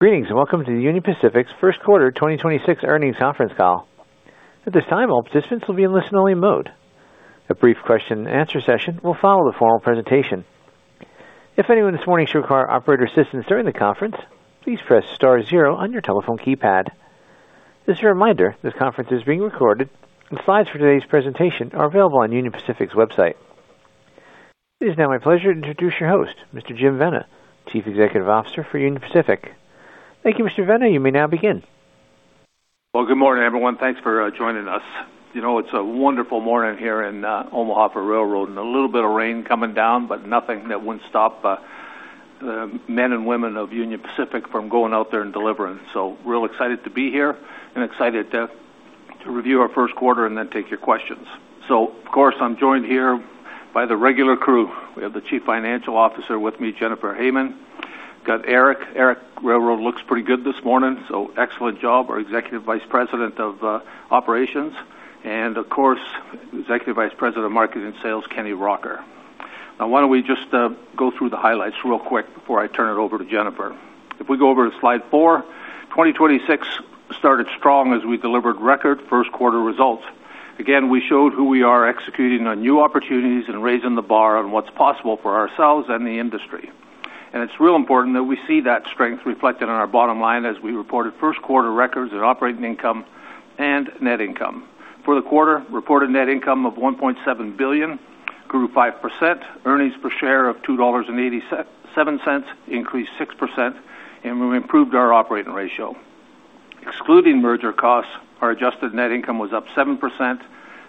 Greetings, and welcome to Union Pacific's first quarter 2026 earnings conference call. At this time, all participants will be in listen-only mode. A brief question and answer session will follow the formal presentation. If anyone this morning should require operator assistance during the conference, please press star zero on your telephone keypad. Just a reminder, this conference is being recorded, and slides for today's presentation are available on Union Pacific's website. It is now my pleasure to introduce your host, Mr. Jim Vena, Chief Executive Officer for Union Pacific. Thank you, Mr. Vena. You may now begin. Well, good morning, everyone. Thanks for joining us. It's a wonderful morning here in Omaha for railroad and a little bit of rain coming down, but nothing that would stop the men and women of Union Pacific from going out there and delivering. Real excited to be here and excited to review our first quarter and then take your questions. Of course, I'm joined here by the regular crew. We have the Chief Financial Officer with me, Jennifer Hamann. Got Eric. Eric, railroad looks pretty good this morning, so excellent job. Our Executive Vice President of Operations and, of course, Executive Vice President of Marketing and Sales, Kenny Rocker. Now, why don't we just go through the highlights real quick before I turn it over to Jennifer? If we go over to slide four, 2026 started strong as we delivered record first quarter results. Again, we showed who we are executing on new opportunities and raising the bar on what's possible for ourselves and the industry. It's real important that we see that strength reflected in our bottom line as we reported first quarter records in operating income and net income. For the quarter, reported net income of $1.7 billion, grew 5%, earnings per share of $2.87 increased 6%, and we improved our operating ratio. Excluding merger costs, our adjusted net income was up 7%,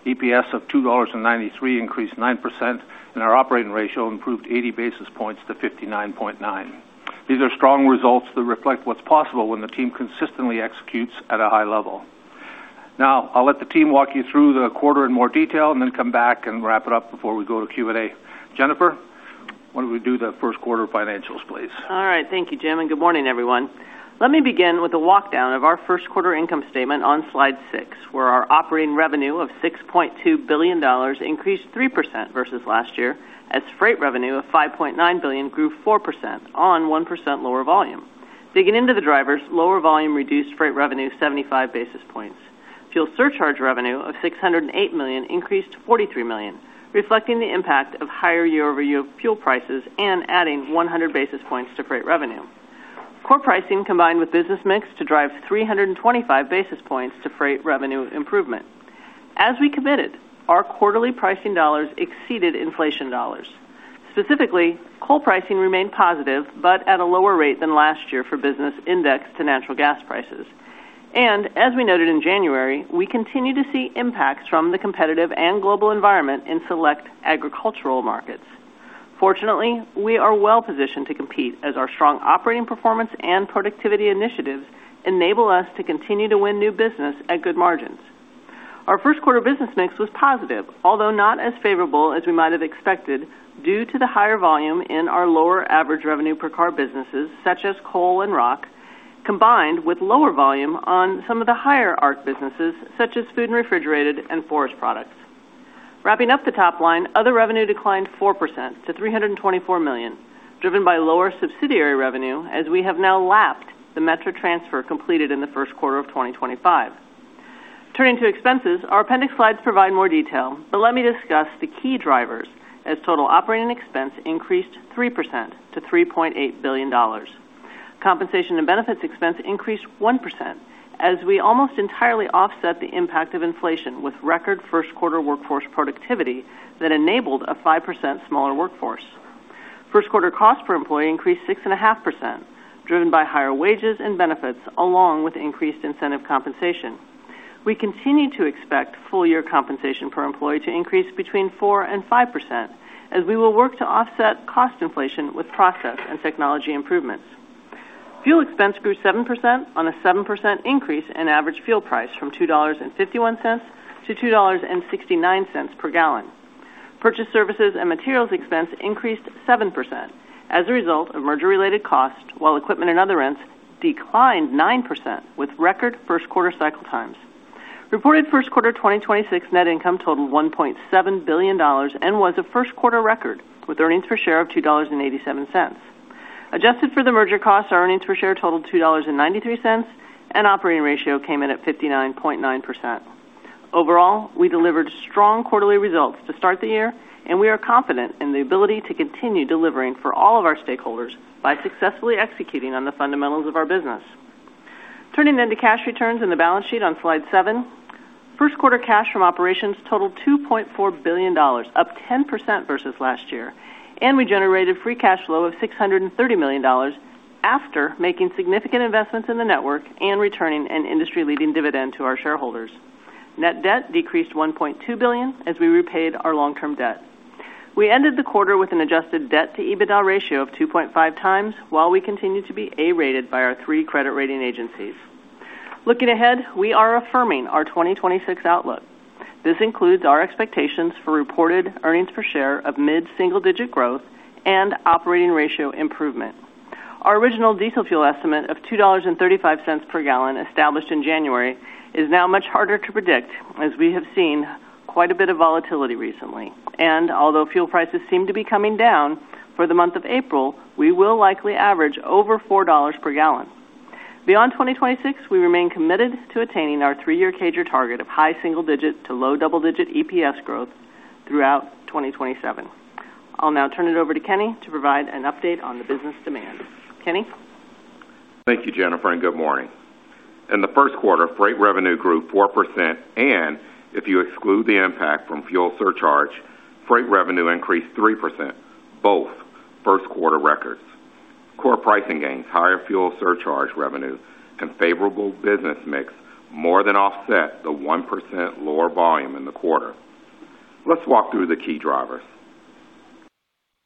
EPS of $2.93 increased 9%, and our operating ratio improved 80 basis points to 59.9%. These are strong results that reflect what's possible when the team consistently executes at a high level. Now, I'll let the team walk you through the quarter in more detail and then come back and wrap it up before we go to Q&A. Jennifer, why don't we do the first quarter financials, please? All right. Thank you, Jim, and good morning, everyone. Let me begin with a walkthrough of our first quarter income statement on slide six, where our operating revenue of $6.2 billion increased 3% versus last year, as freight revenue of $5.9 billion grew 4% on 1% lower volume. Digging into the drivers, lower volume reduced freight revenue 75 basis points. Fuel surcharge revenue of $608 million increased to $43 million, reflecting the impact of higher year-over-year fuel prices and adding 100 basis points to freight revenue. Core pricing combined with business mix to drive 325 basis points to freight revenue improvement. As we committed, our quarterly pricing dollars exceeded inflation dollars. Specifically, coal pricing remained positive, but at a lower rate than last year for business indexed to natural gas prices. As we noted in January, we continue to see impacts from the competitive and global environment in select agricultural markets. Fortunately, we are well-positioned to compete as our strong operating performance and productivity initiatives enable us to continue to win new business at good margins. Our first quarter business mix was positive, although not as favorable as we might have expected due to the higher volume in our lower average revenue per car businesses, such as coal and rock, combined with lower volume on some of the higher ARC businesses, such as food and refrigerated and forest products. Wrapping up the top line, other revenue declined 4% to $324 million, driven by lower subsidiary revenue, as we have now lapped the Metra transfer completed in the first quarter of 2025. Turning to expenses, our appendix slides provide more detail, but let me discuss the key drivers as total operating expense increased 3% to $3.8 billion. Compensation and benefits expense increased 1% as we almost entirely offset the impact of inflation with record first quarter workforce productivity that enabled a 5% smaller workforce. First quarter cost per employee increased 6.5%, driven by higher wages and benefits, along with increased incentive compensation. We continue to expect full year compensation per employee to increase between 4%-5% as we will work to offset cost inflation with process and technology improvements. Fuel expense grew 7% on a 7% increase in average fuel price from $2.51-$2.69 per gallon. Purchase services and materials expense increased 7% as a result of merger-related costs, while equipment and other rents declined 9% with record first quarter cycle times. Reported first quarter 2026 net income totaled $1.7 billion and was a first quarter record with earnings per share of $2.87. Adjusted for the merger costs, our earnings per share totaled $2.93, and operating ratio came in at 59.9%. Overall, we delivered strong quarterly results to start the year, and we are confident in the ability to continue delivering for all of our stakeholders by successfully executing on the fundamentals of our business. Turning to cash returns and the balance sheet on slide seven. First quarter cash from operations totaled $2.4 billion, up 10% versus last year, and we generated free cash flow of $630 million after making significant investments in the network and returning an industry-leading dividend to our shareholders. Net debt decreased $1.2 billion as we repaid our long-term debt. We ended the quarter with an adjusted debt-to-EBITDA ratio of 2.5x, while we continue to be A-rated by our three credit rating agencies. Looking ahead, we are affirming our 2026 outlook. This includes our expectations for reported earnings per share of mid-single-digit growth and operating ratio improvement. Our original diesel fuel estimate of $2.35 per gallon established in January is now much harder to predict, as we have seen Quite a bit of volatility recently. Although fuel prices seem to be coming down for the month of April, we will likely average over $4 per gallon. Beyond 2026, we remain committed to attaining our three-year CAGR target of high single digit to low double-digit EPS growth throughout 2027. I'll now turn it over to Kenny to provide an update on the business demand. Kenny? Thank you, Jennifer, and good morning. In the first quarter, freight revenue grew 4%, and if you exclude the impact from fuel surcharge, freight revenue increased 3%, both first-quarter records. Core pricing gains, higher fuel surcharge revenue, and favorable business mix more than offset the 1% lower volume in the quarter. Let's walk through the key drivers.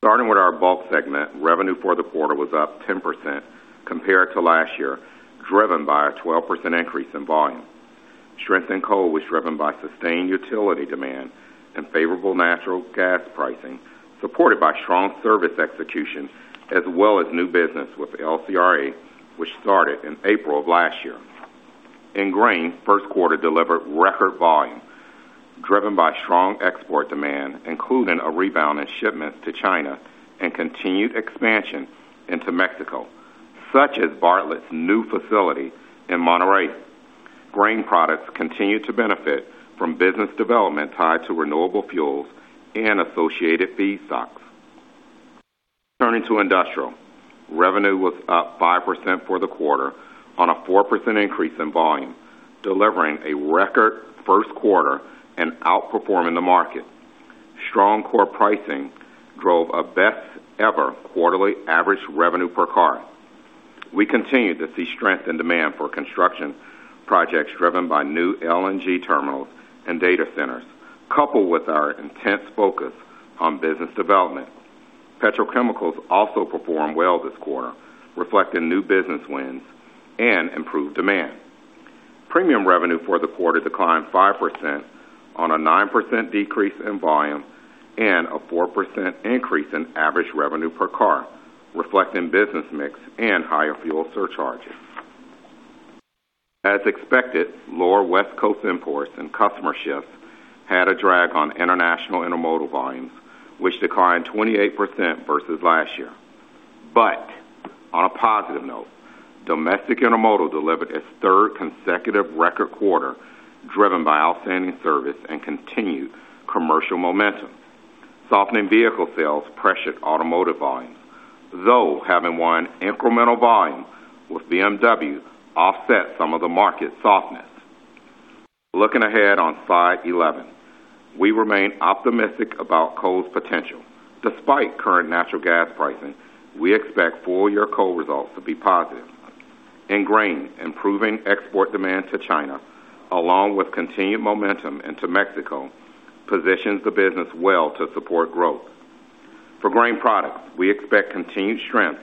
Starting with our Bulk segment, revenue for the quarter was up 10% compared to last year, driven by a 12% increase in volume. Strength in coal was driven by sustained utility demand and favorable natural gas pricing, supported by strong service execution as well as new business with LCRA, which started in April of last year. In grain, first quarter delivered record volume, driven by strong export demand, including a rebound in shipments to China and continued expansion into Mexico, such as Bartlett's new facility in Monterrey. Grain products continued to benefit from business development tied to renewable fuels and associated feedstocks. Turning to Industrial. Revenue was up 5% for the quarter on a 4% increase in volume, delivering a record first quarter and outperforming the market. Strong core pricing drove a best-ever quarterly average revenue per car. We continued to see strength in demand for construction projects driven by new LNG terminals and data centers, coupled with our intense focus on business development. Petrochemicals also performed well this quarter, reflecting new business wins and improved demand. Premium revenue for the quarter declined 5% on a 9% decrease in volume and a 4% increase in average revenue per car, reflecting business mix and higher fuel surcharges. As expected, lower West Coast imports and customer shifts had a drag on international intermodal volumes, which declined 28% versus last year. On a positive note, domestic intermodal delivered its third consecutive record quarter, driven by outstanding service and continued commercial momentum. Softening vehicle sales pressured automotive volumes, though having won incremental volume with BMW offset some of the market softness. Looking ahead on slide 11, we remain optimistic about coal's potential. Despite current natural gas pricing, we expect full-year coal results to be positive. In grain, improving export demand to China, along with continued momentum into Mexico, positions the business well to support growth. For grain products, we expect continued strength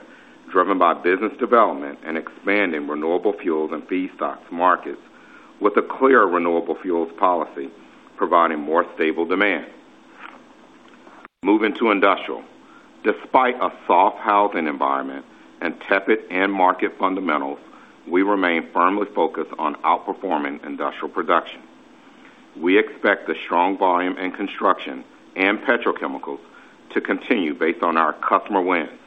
driven by business development and expanding renewable fuels and feedstocks markets with a clear renewable fuels policy, providing more stable demand. Moving to Industrial, despite a soft housing environment and tepid end market fundamentals, we remain firmly focused on outperforming industrial production. We expect the strong volume in construction and petrochemicals to continue based on our customer wins.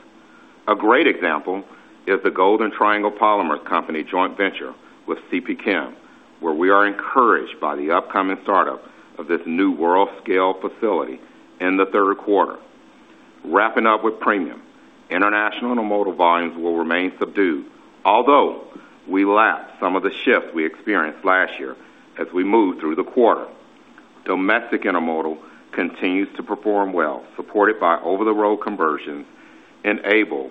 A great example is the Golden Triangle Polymers Company joint venture with CP Chem, where we are encouraged by the upcoming startup of this new world-scale facility in the third quarter. Wrapping up with Premium. International intermodal volumes will remain subdued, although we lap some of the shifts we experienced last year as we move through the quarter. Domestic intermodal continues to perform well, supported by over-the-road conversions enabled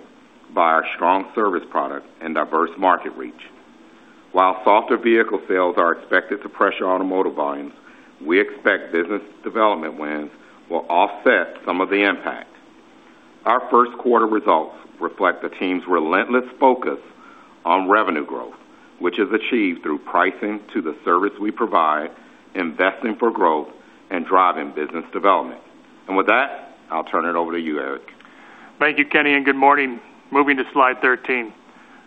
by our strong service product and diverse market reach. While softer vehicle sales are expected to pressure automotive volumes, we expect business development wins will offset some of the impact. Our first quarter results reflect the team's relentless focus on revenue growth, which is achieved through pricing to the service we provide, investing for growth, and driving business development. With that, I'll turn it over to you, Eric. Thank you, Kenny, and good morning. Moving to slide 13.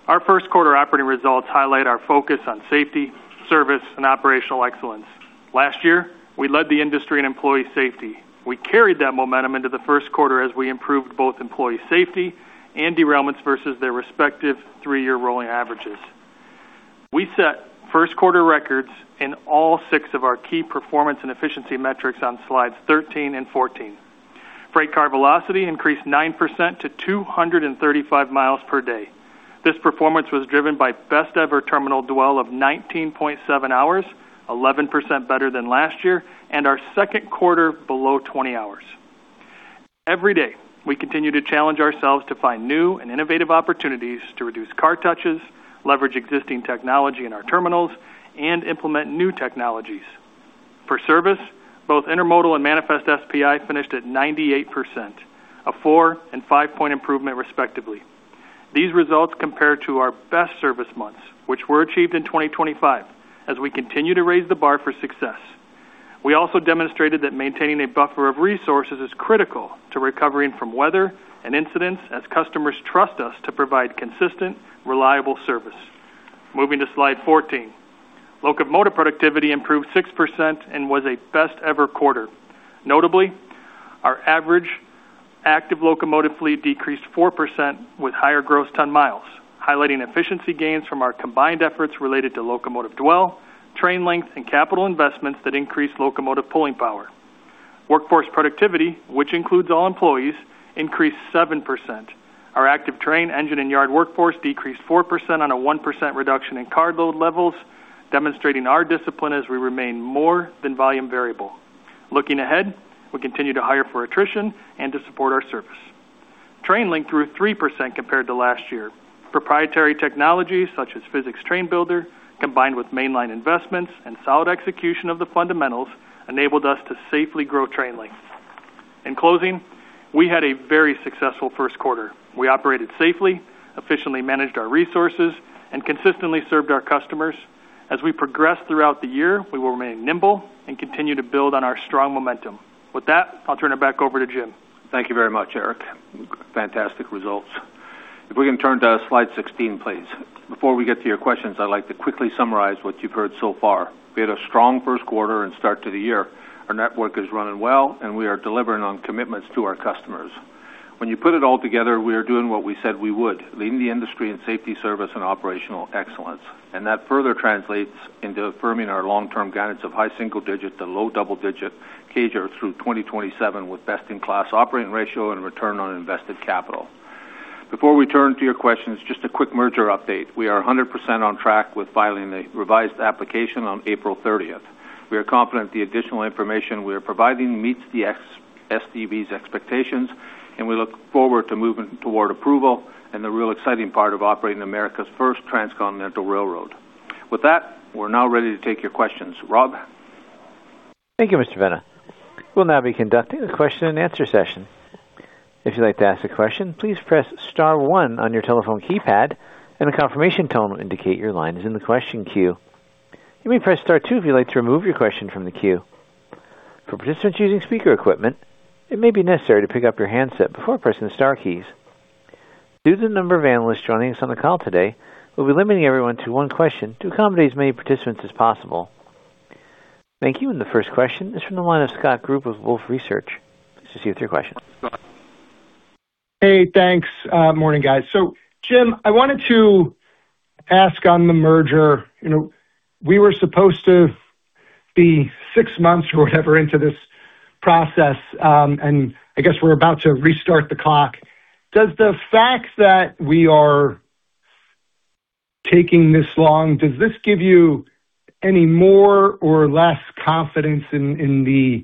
Our first quarter operating results highlight our focus on safety, service, and operational excellence. Last year, we led the industry in employee safety. We carried that momentum into the first quarter as we improved both employee safety and derailments versus their respective three-year rolling averages. We set first quarter records in all six of our key performance and efficiency metrics on slides 13 and 14. Freight car velocity increased 9% to 235 mi per day. This performance was driven by best ever terminal dwell of 19.7 hours, 11% better than last year and our second quarter below 20 hours. Every day, we continue to challenge ourselves to find new and innovative opportunities to reduce car touches, leverage existing technology in our terminals, and implement new technologies. For service, both intermodal and Manifest SPI finished at 98%, a 4- and 5-point improvement respectively. These results compare to our best service months, which were achieved in 2025 as we continue to raise the bar for success. We also demonstrated that maintaining a buffer of resources is critical to recovering from weather and incidents as customers trust us to provide consistent, reliable service. Moving to slide 14. Locomotive productivity improved 6% and was a best ever quarter. Notably, our average active locomotive fleet decreased 4% with higher gross ton miles, highlighting efficiency gains from our combined efforts related to locomotive dwell, train length, and capital investments that increased locomotive pulling power. Workforce productivity, which includes all employees, increased 7%. Our active train engine and yard workforce decreased 4% on a 1% reduction in carload levels, demonstrating our discipline as we remain more than volume variable. Looking ahead, we continue to hire for attrition and to support our service. Train length grew 3% compared to last year. Proprietary technologies such as Physics Train Builder, combined with mainline investments and solid execution of the fundamentals, enabled us to safely grow train length. In closing, we had a very successful first quarter. We operated safely, efficiently managed our resources, and consistently served our customers. As we progress throughout the year, we will remain nimble and continue to build on our strong momentum. With that, I'll turn it back over to Jim. Thank you very much, Eric. Fantastic results. If we can turn to slide 16, please. Before we get to your questions, I'd like to quickly summarize what you've heard so far. We had a strong first quarter and start to the year. Our network is running well, and we are delivering on commitments to our customers. When you put it all together, we are doing what we said we would, leading the industry in safety, service, and operational excellence. That further translates into affirming our long-term guidance of high single digit to low double digit CAGR through 2027, with best-in-class operating ratio and return on invested capital. Before we turn to your questions, just a quick merger update. We are 100% on track with filing a revised application on April 30th. We are confident the additional information we are providing meets the STB's expectations, and we look forward to moving toward approval and the real exciting part of operating America's first transcontinental railroad. With that, we're now ready to take your questions. Rob? Thank you, Mr. Vena. We'll now be conducting a question and answer session. If you'd like to ask a question, please press star one on your telephone keypad, and a confirmation tone will indicate your line is in the question queue. You may press star two if you'd like to remove your question from the queue. For participants using speaker equipment, it may be necessary to pick up your handset before pressing the star keys. Due to the number of analysts joining us on the call today, we'll be limiting everyone to one question to accommodate as many participants as possible. Thank you. The first question is from the line of Scott Group of Wolfe Research. Please proceed with your question. Hey, thanks. Morning, guys. Jim, I wanted to ask on the merger. We were supposed to be six months or whatever into this process, and I guess we're about to restart the clock. Does the fact that we are taking this long give you any more or less confidence in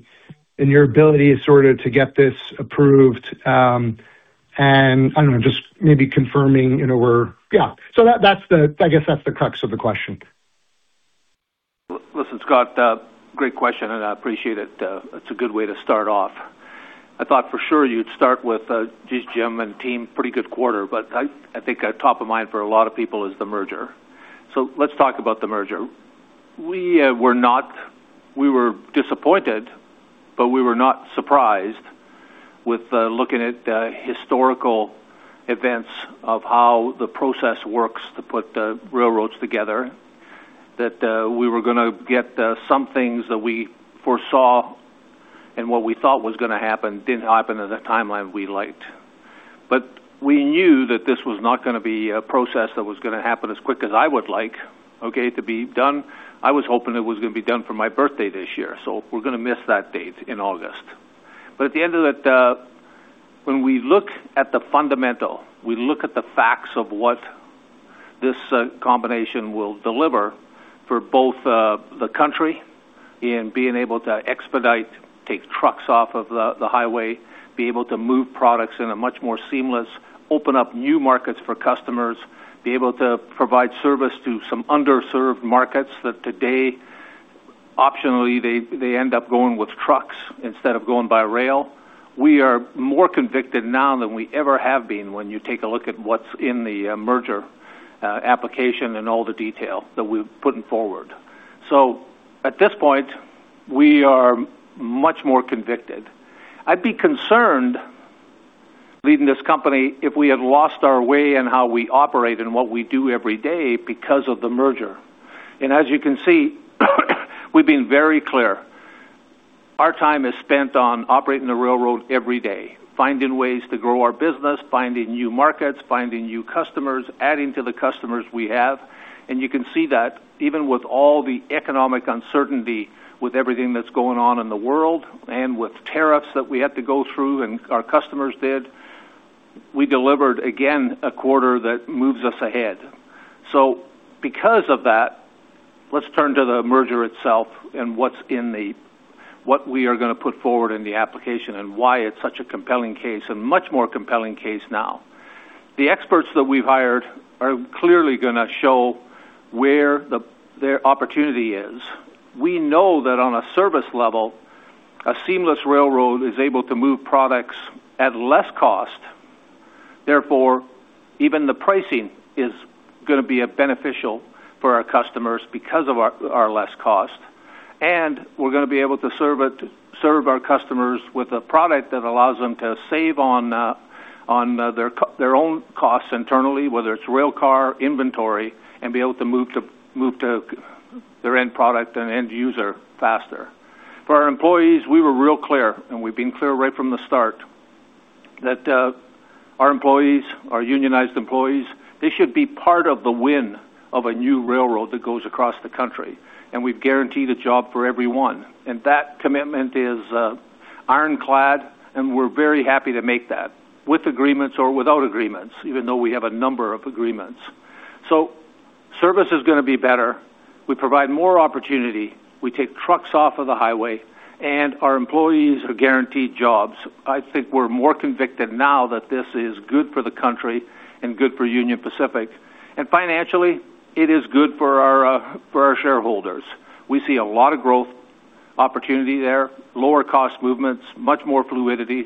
your ability to get this approved? I guess that's the crux of the question. Listen, Scott, great question, and I appreciate it. It's a good way to start off. I thought for sure you'd start with, "Geez, Jim and team, pretty good quarter," but I think top of mind for a lot of people is the merger. Let's talk about the merger. We were disappointed, but we were not surprised with looking at historical events of how the process works to put the railroads together, that we were going to get some things that we foresaw, and what we thought was going to happen didn't happen in the timeline we liked. We knew that this was not going to be a process that was going to happen as quick as I would like, okay, to be done. I was hoping it was going to be done for my birthday this year, so we're going to miss that date in August. At the end of that, when we look at the fundamental, we look at the facts of what this combination will deliver for both the country in being able to expedite, take trucks off of the highway, be able to move products in a much more seamless, open up new markets for customers, be able to provide service to some underserved markets that today, optionally, they end up going with trucks instead of going by rail. We are more convicted now than we ever have been when you take a look at what's in the merger application and all the detail that we've put forward. At this point, we are much more convicted. I'd be concerned, leading this company, if we had lost our way in how we operate and what we do every day because of the merger. As you can see, we've been very clear. Our time is spent on operating the railroad every day, finding ways to grow our business, finding new markets, finding new customers, adding to the customers we have, and you can see that even with all the economic uncertainty, with everything that's going on in the world, and with tariffs that we had to go through and our customers did, we delivered again a quarter that moves us ahead. Because of that, let's turn to the merger itself and what we are going to put forward in the application and why it's such a compelling case, a much more compelling case now. The experts that we've hired are clearly going to show where their opportunity is. We know that on a service level, a seamless railroad is able to move products at less cost. Therefore, even the pricing is going to be beneficial for our customers because of our less cost. We're going to be able to serve our customers with a product that allows them to save on their own costs internally, whether it's rail car inventory, and be able to move to their end product and end user faster. For our employees, we were real clear, and we've been clear right from the start, that our employees, our unionized employees, they should be part of the win of a new railroad that goes across the country, and we've guaranteed a job for every one. That commitment is ironclad, and we're very happy to make that, with agreements or without agreements, even though we have a number of agreements. Service is going to be better. We provide more opportunity. We take trucks off of the highway, and our employees are guaranteed jobs. I think we're more convicted now that this is good for the country and good for Union Pacific. Financially, it is good for our shareholders. We see a lot of growth opportunity there, lower cost movements, much more fluidity.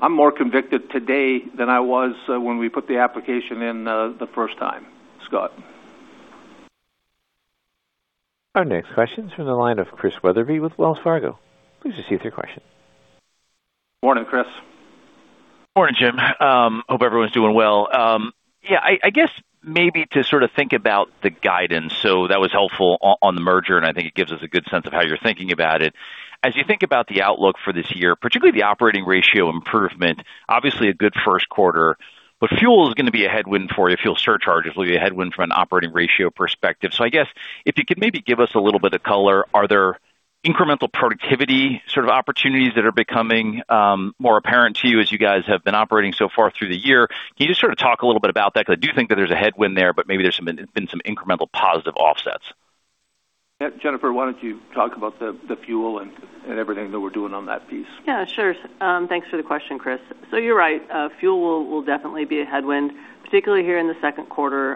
I'm more convicted today than I was when we put the application in the first time. Scott. Our next question is from the line of Christian Wetherbee with Wells Fargo. Please proceed with your question. Morning, Chris. Morning, Jim. Hope everyone's doing well. Yeah, I guess maybe to sort of think about the guidance, that was helpful on the merger, and I think it gives us a good sense of how you're thinking about it. As you think about the outlook for this year, particularly the operating ratio improvement, obviously a good first quarter, fuel is going to be a headwind for you, fuel surcharges will be a headwind from an operating ratio perspective. I guess, if you could maybe give us a little bit of color, are there incremental productivity sort of opportunities that are becoming more apparent to you as you guys have been operating so far through the year? Can you just sort of talk a little bit about that? Because I do think that there's a headwind there, but maybe there's been some incremental positive offsets. Jennifer, why don't you talk about the fuel and everything that we're doing on that piece? Yeah, sure. Thanks for the question, Chris. You're right, fuel will definitely be a headwind, particularly here in the second quarter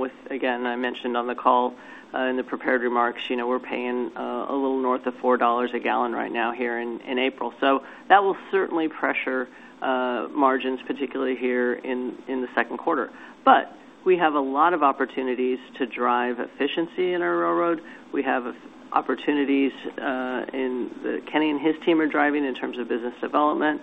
with, again, I mentioned on the call in the prepared remarks, we're paying a little north of $4 a gallon right now here in April. That will certainly pressure margins, particularly here in the second quarter. We have a lot of opportunities to drive efficiency in our railroad. We have opportunities Kenny and his team are driving in terms of business development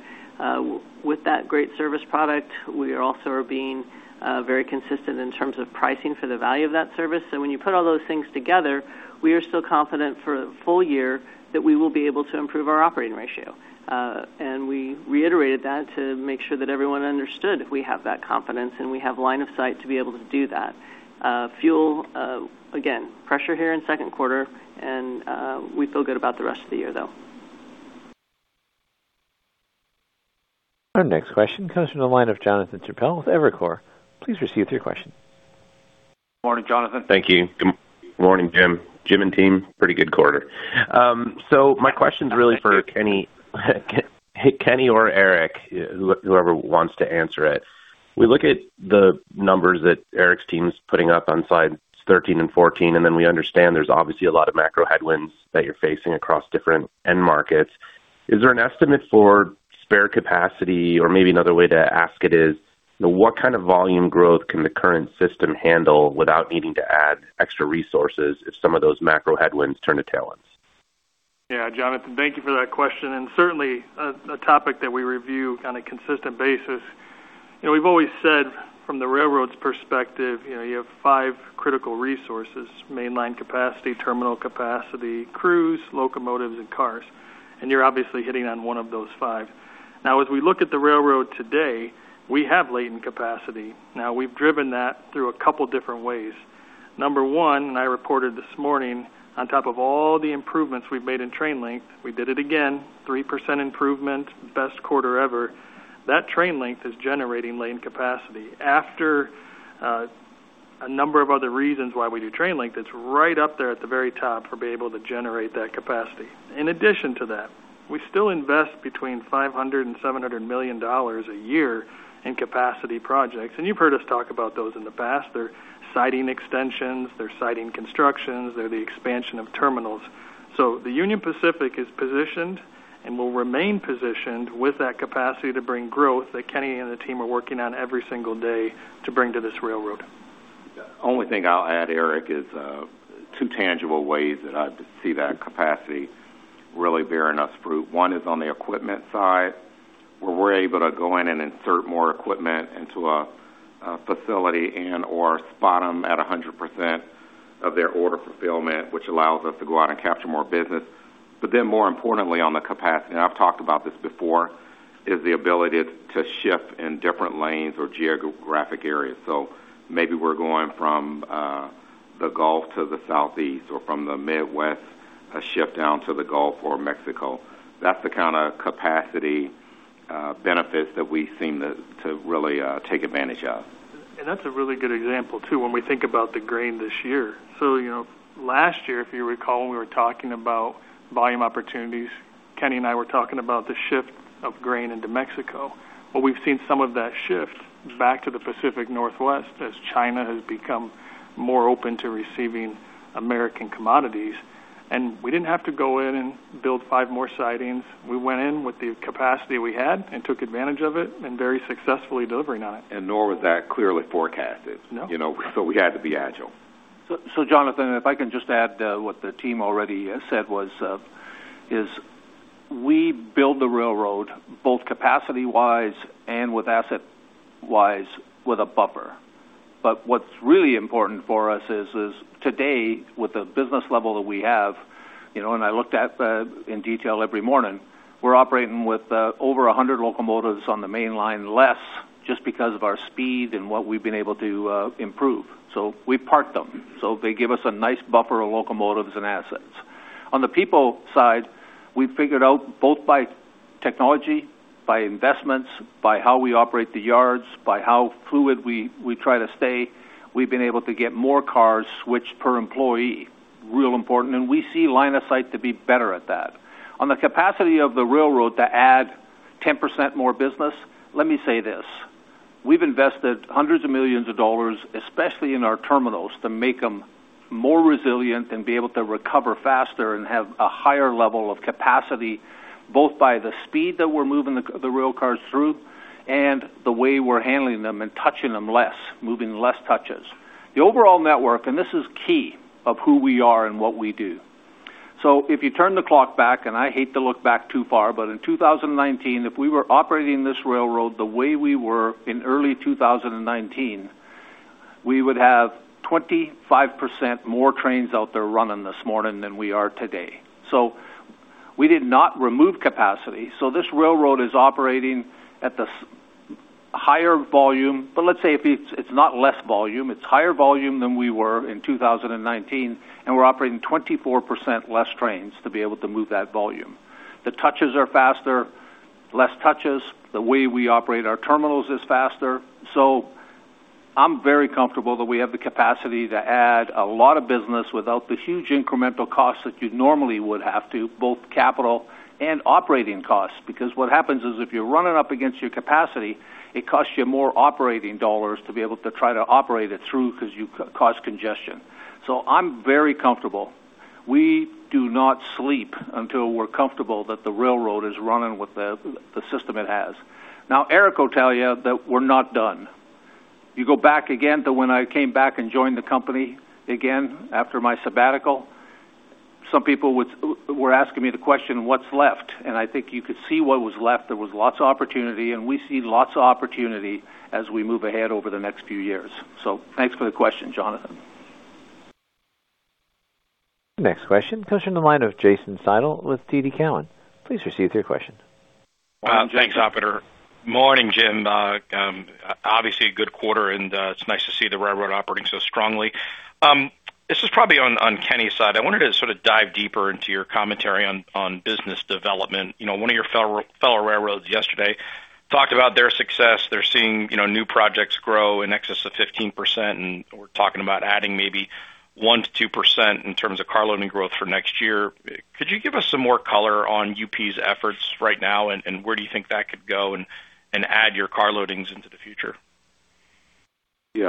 with that great service product. We are also being very consistent in terms of pricing for the value of that service. When you put all those things together, we are still confident for a full year that we will be able to improve our operating ratio. We reiterated that to make sure that everyone understood we have that confidence, and we have line of sight to be able to do that. Fuel, again, pressure here in second quarter, and we feel good about the rest of the year, though. Our next question comes from the line of Jonathan Chappell with Evercore. Please proceed with your question. Morning, Jonathan. Thank you. Good morning, Jim. Jim and team, pretty good quarter. My question's really for Kenny or Eric, whoever wants to answer it. We look at the numbers that Eric's team is putting up on slides 13 and 14, and then we understand there's obviously a lot of macro headwinds that you're facing across different end markets. Is there an estimate for spare capacity? Or maybe another way to ask it is, what kind of volume growth can the current system handle without needing to add extra resources if some of those macro headwinds turn to tailwinds? Yeah, Jonathan, thank you for that question, and certainly a topic that we review on a consistent basis. We've always said from the railroad's perspective, you have five critical resources, mainline capacity, terminal capacity, crews, locomotives, and cars, and you're obviously hitting on one of those five. Now, as we look at the railroad today, we have latent capacity. Now we've driven that through a couple different ways. Number one, and I reported this morning, on top of all the improvements we've made in train length, we did it again, 3% improvement, best quarter ever. That train length is generating latent capacity. After a number of other reasons why we do train length, it's right up there at the very top for being able to generate that capacity. In addition to that, we still invest between $500-$700 million a year in capacity projects, and you've heard us talk about those in the past. They're siding extensions, they're siding constructions, they're the expansion of terminals. The Union Pacific is positioned and will remain positioned with that capacity to bring growth that Kenny and the team are working on every single day to bring to this railroad. Only thing I'll add, Eric, is two tangible ways that I see that capacity really bearing us fruit. One is on the equipment side, where we're able to go in and insert more equipment into a facility and/or spot them at 100% of their order fulfillment, which allows us to go out and capture more business. More importantly on the capacity, and I've talked about this before, is the ability to ship in different lanes or geographic areas. Maybe we're going from the Gulf to the Southeast or from the Midwest, to ship down to the Gulf or Mexico. That's the kind of capacity benefits that we seem to really take advantage of. That's a really good example, too, when we think about the grain this year. Last year, if you recall, when we were talking about volume opportunities, Kenny and I were talking about the shift of grain into Mexico. Well, we've seen some of that shift back to the Pacific Northwest as China has become more open to receiving American commodities. We didn't have to go in and build five more sidings. We went in with the capacity we had and took advantage of it and very successfully delivering on it. Nor was that clearly forecasted. No. We had to be agile. Jonathan, if I can just add what the team already said was, we build the railroad both capacity-wise and asset-wise with a buffer. What's really important for us is, today, with the business level that we have, and I look at that in detail every morning, we're operating with over 100 locomotives on the main line less just because of our speed and what we've been able to improve. We parked them, so they give us a nice buffer of locomotives and assets. On the people side, we figured out both by technology, by investments, by how we operate the yards, by how fluid we try to stay, we've been able to get more cars switched per employee, real important, and we see line of sight to be better at that. On the capacity of the railroad to add 10% more business, let me say this. We've invested hundreds of millions of dollars, especially in our terminals, to make them more resilient and be able to recover faster and have a higher level of capacity, both by the speed that we're moving the rail cars through and the way we're handling them and touching them less, moving less touches. The overall network, and this is key of who we are and what we do. If you turn the clock back, and I hate to look back too far, but in 2019, if we were operating this railroad the way we were in early 2019, we would have 25% more trains out there running this morning than we are today. We did not remove capacity. This railroad is operating at this higher volume, but let's say it's not less volume. It's higher volume than we were in 2019, and we're operating 24% less trains to be able to move that volume. The touches are faster, less touches. The way we operate our terminals is faster. I'm very comfortable that we have the capacity to add a lot of business without the huge incremental cost that you normally would have to, both capital and operating costs. Because what happens is if you're running up against your capacity, it costs you more operating dollars to be able to try to operate it through because you cause congestion. I'm very comfortable. We do not sleep until we're comfortable that the railroad is running with the system it has. Now, Eric will tell you that we're not done. You go back again to when I came back and joined the company again after my sabbatical, some people were asking me the question, what's left? And I think you could see what was left. There was lots of opportunity, and we see lots of opportunity as we move ahead over the next few years. Thanks for the question, Jonathan. Next question comes from the line of Jason Seidl with TD Cowen. Please proceed with your question. Thanks, operator. Morning, Jim. Obviously, a good quarter, and it's nice to see the railroad operating so strongly. This is probably on Kenny's side. I wanted to sort of dive deeper into your commentary on business development. One of your fellow railroads yesterday talked about their success. They're seeing new projects grow in excess of 15%, and we're talking about adding maybe 1%-2% in terms of carload growth for next year. Could you give us some more color on UP's efforts right now, and where do you think that could go and add to your carloads in the future? Yeah,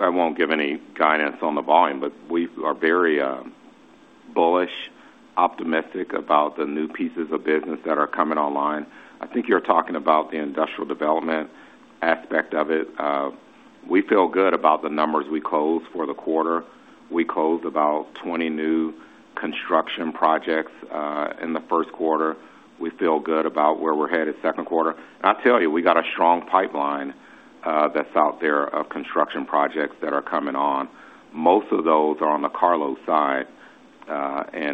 I won't give any guidance on the volume, but we are very bullish, optimistic about the new pieces of business that are coming online. I think you're talking about the industrial development aspect of it. We feel good about the numbers we closed for the quarter. We closed about 20 new construction projects in the first quarter. We feel good about where we're headed second quarter. I tell you, we got a strong pipeline that's out there of construction projects that are coming on. Most of those are on the carload side.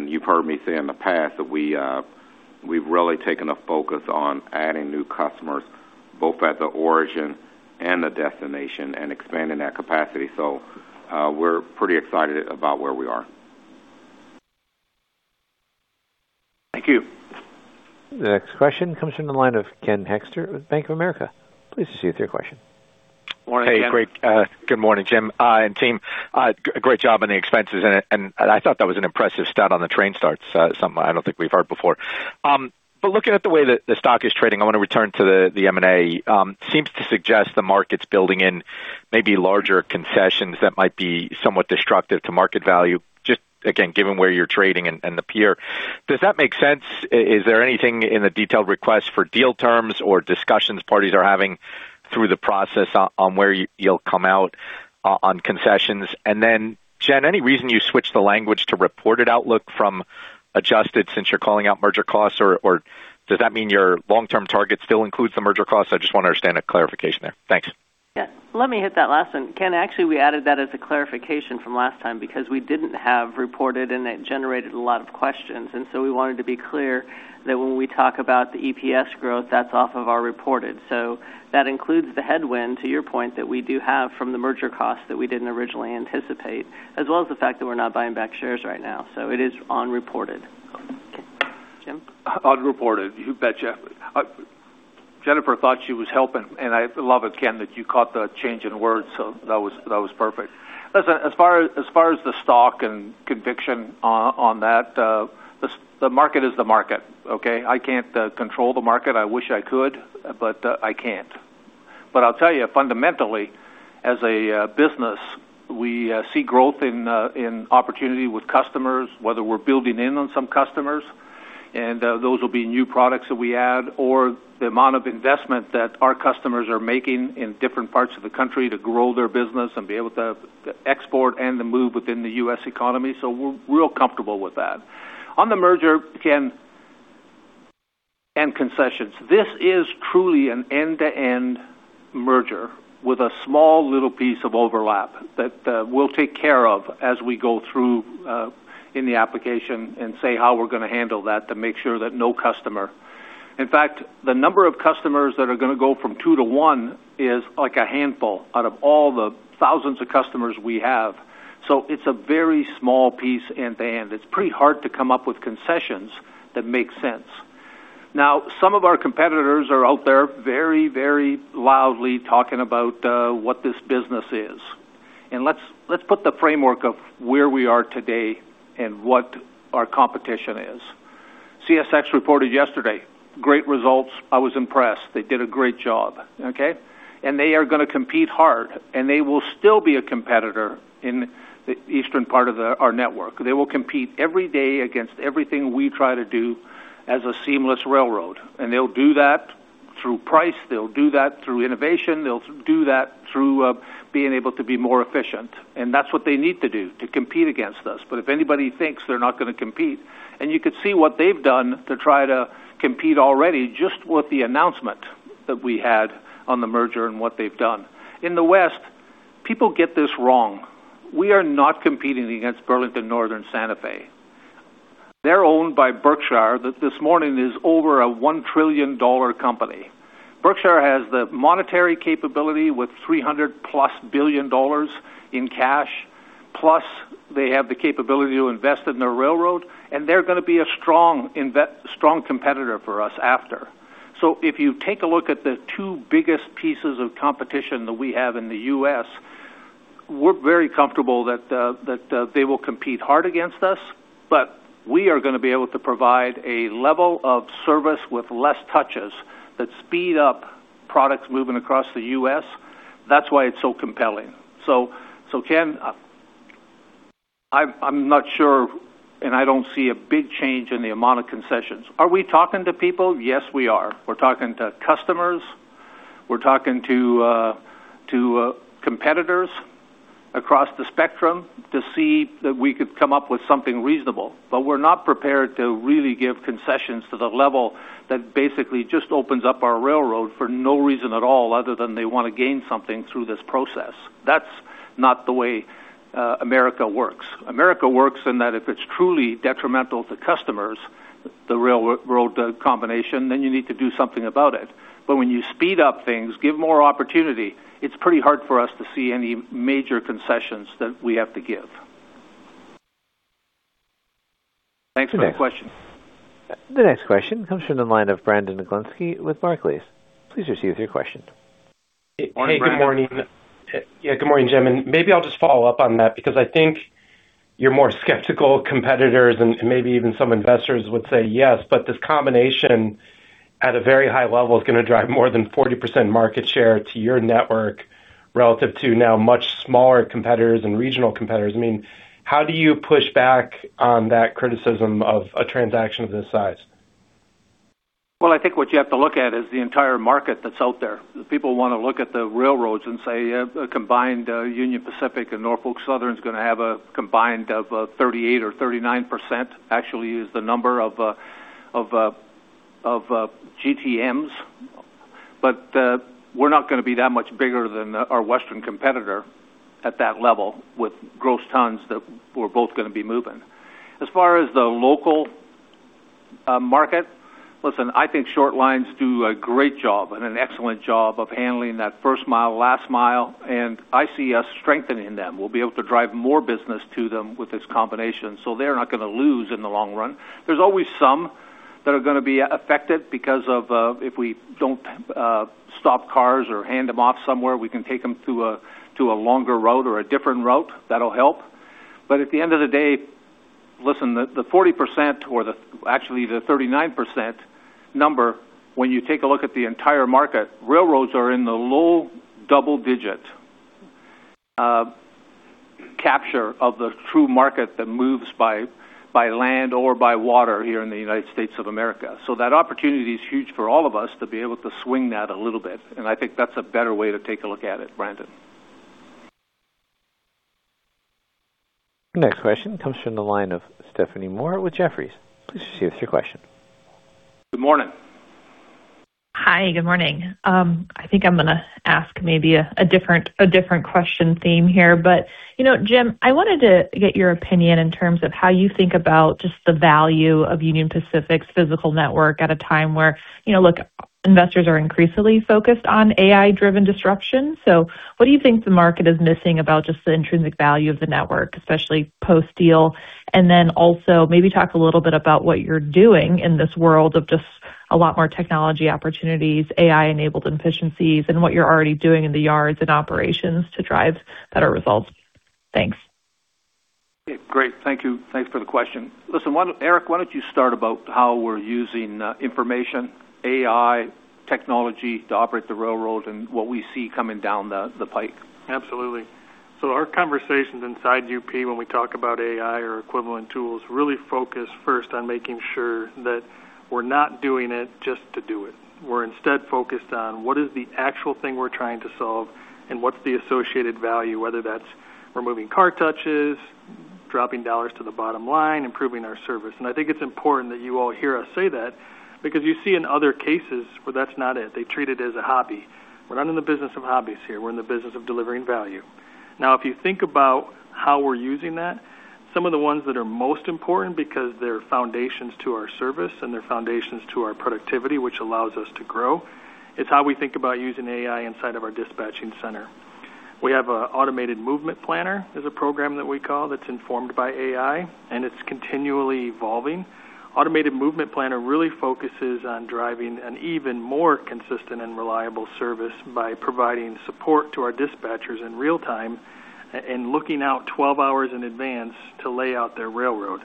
You've heard me say in the past that we've really taken a focus on adding new customers, both at the origin and the destination, and expanding that capacity. We're pretty excited about where we are. Thank you. The next question comes from the line of Ken Hoexter with Bank of America. Please proceed with your question. Morning, Ken. Hey, great. Good morning, Jim and team. Great job on the expenses, and I thought that was an impressive stat on the train starts, something I don't think we've heard before. Looking at the way that the stock is trading, I want to return to the M&A. Seems to suggest the market's building in maybe larger concessions that might be somewhat destructive to market value, just again, given where you're trading and the peer. Does that make sense? Is there anything in the detailed request for deal terms or discussions parties are having through the process on where you'll come out on concessions? And then Jen, any reason you switched the language to reported outlook from adjusted since you're calling out merger costs, or does that mean your long-term target still includes the merger costs? I just want to understand a clarification there. Thanks. Yeah. Let me hit that last one. Ken, actually, we added that as a clarification from last time because we didn't have reported, and it generated a lot of questions, and so we wanted to be clear that when we talk about the EPS growth, that's off of our reported. So that includes the headwind, to your point, that we do have from the merger costs that we didn't originally anticipate, as well as the fact that we're not buying back shares right now. So it is on reported. Jim? On reported, you betcha. Jennifer thought she was helping, and I love it, Ken, that you caught the change in words, so that was perfect. Listen, as far as the stock and conviction on that, the market is the market, okay? I can't control the market. I wish I could, but I can't. I'll tell you, fundamentally, as a business, we see growth in opportunity with customers, whether we're building in on some customers, and those will be new products that we add or the amount of investment that our customers are making in different parts of the country to grow their business and be able to export and to move within the U.S. economy. We're real comfortable with that. On the merger, Ken. And concessions. This is truly an end-to-end merger with a small little piece of overlap that we'll take care of as we go through in the application and say how we're going to handle that to make sure that no customer. In fact, the number of customers that are going to go from two to one is a handful out of all the thousands of customers we have. So it's a very small piece end-to-end. It's pretty hard to come up with concessions that make sense. Now, some of our competitors are out there very loudly talking about what this business is. Let's put the framework of where we are today and what our competition is. CSX reported yesterday great results. I was impressed. They did a great job, okay? They are going to compete hard, and they will still be a competitor in the eastern part of our network. They will compete every day against everything we try to do as a seamless railroad, and they'll do that through price, they'll do that through innovation, they'll do that through being able to be more efficient, and that's what they need to do to compete against us. If anybody thinks they're not going to compete, and you could see what they've done to try to compete already, just with the announcement that we had on the merger and what they've done. In the West, people get this wrong. We are not competing against Burlington Northern Santa Fe. They're owned by Berkshire, that this morning is over a $1 trillion company. Berkshire has the monetary capability with $300+ billion in cash, plus they have the capability to invest in the railroad, and they're going to be a strong competitor for us after. If you take a look at the two biggest pieces of competition that we have in the U.S., we're very comfortable that they will compete hard against us, but we are going to be able to provide a level of service with less touches that speed up products moving across the U.S. That's why it's so compelling. Ken, I'm not sure, and I don't see a big change in the amount of concessions. Are we talking to people? Yes, we are. We're talking to customers. We're talking to competitors across the spectrum to see that we could come up with something reasonable. We're not prepared to really give concessions to the level that basically just opens up our railroad for no reason at all other than they want to gain something through this process. That's not the way America works. A merger works in that if it's truly detrimental to customers, the railroad combination, then you need to do something about it. When you speed up things, give more opportunity, it's pretty hard for us to see any major concessions that we have to give. Thanks for that question. The next question comes from the line of Brandon Oglenski with Barclays. Please proceed with your question. Morning, Brandon. Hey, good morning. Yeah, good morning, Jim, and maybe I'll just follow up on that because I think your more skeptical competitors and maybe even some investors would say yes, but this combination at a very high level is going to drive more than 40% market share to your network relative to now much smaller competitors and regional competitors. How do you push back on that criticism of a transaction of this size? Well, I think what you have to look at is the entire market that's out there. People want to look at the railroads and say a combined Union Pacific and Norfolk Southern is going to have a combined of 38% or 39% actually is the number of GTMs. We're not going to be that much bigger than our Western competitor at that level with gross tons that we're both going to be moving. As far as the local market, listen, I think short lines do a great job and an excellent job of handling that first mile, last mile, and I see us strengthening them. We'll be able to drive more business to them with this combination, so they're not going to lose in the long run. There's always some that are going to be affected because of if we don't stop cars or hand them off somewhere, we can take them to a longer route or a different route. That'll help. At the end of the day, listen, the 40% or actually the 39% number, when you take a look at the entire market, railroads are in the low double digit capture of the true market that moves by land or by water here in the United States of America. That opportunity is huge for all of us to be able to swing that a little bit, and I think that's a better way to take a look at it, Brandon. Next question comes from the line of Stephanie Moore with Jefferies. Please proceed with your question. Good morning. Hi, good morning. I think I'm going to ask maybe a different question theme here. Jim, I wanted to get your opinion in terms of how you think about just the value of Union Pacific's physical network at a time where investors are increasingly focused on AI-driven disruption. What do you think the market is missing about just the intrinsic value of the network, especially post-deal? Also maybe talk a little bit about what you're doing in this world of just a lot more technology opportunities, AI-enabled efficiencies, and what you're already doing in the yards and operations to drive better results. Thanks. Great. Thank you. Thanks for the question. Listen, Eric, why don't you start about how we're using information, AI technology to operate the railroad and what we see coming down the pipe? Absolutely. Our conversations inside UP when we talk about AI or equivalent tools really focus first on making sure that we're not doing it just to do it. We're instead focused on what is the actual thing we're trying to solve and what's the associated value, whether that's removing car touches, dropping dollars to the bottom line, improving our service. I think it's important that you all hear us say that, because you see in other cases where that's not it, they treat it as a hobby. We're not in the business of hobbies here. We're in the business of delivering value. Now, if you think about how we're using that, some of the ones that are most important because they're foundations to our service and they're foundations to our productivity, which allows us to grow, it's how we think about using AI inside of our dispatching center. We have Automated Movement Planner is a program that we call that's informed by AI, and it's continually evolving. Automated Movement Planner really focuses on driving an even more consistent and reliable service by providing support to our dispatchers in real time and looking out 12 hours in advance to lay out their railroad.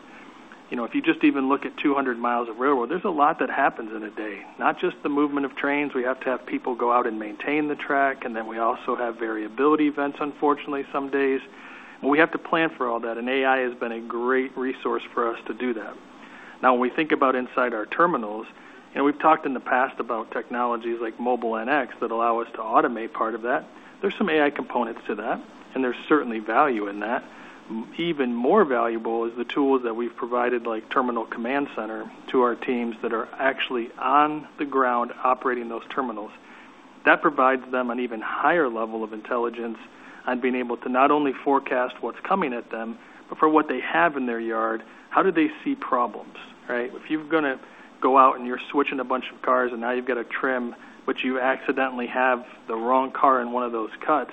If you just even look at 200 mi of railroad, there's a lot that happens in a day. Not just the movement of trains. We have to have people go out and maintain the track, and then we also have variability events, unfortunately, some days. We have to plan for all that, and AI has been a great resource for us to do that. Now when we think about inside our terminals, and we've talked in the past about technologies like Mobile NX that allow us to automate part of that, there's some AI components to that, and there's certainly value in that. Even more valuable is the tools that we've provided, like Terminal Command Center, to our teams that are actually on the ground operating those terminals. That provides them an even higher level of intelligence on being able to not only forecast what's coming at them, but for what they have in their yard, how do they see problems, right? If you're going to go out and you're switching a bunch of cars and now you've got to trim, but you accidentally have the wrong car in one of those cuts,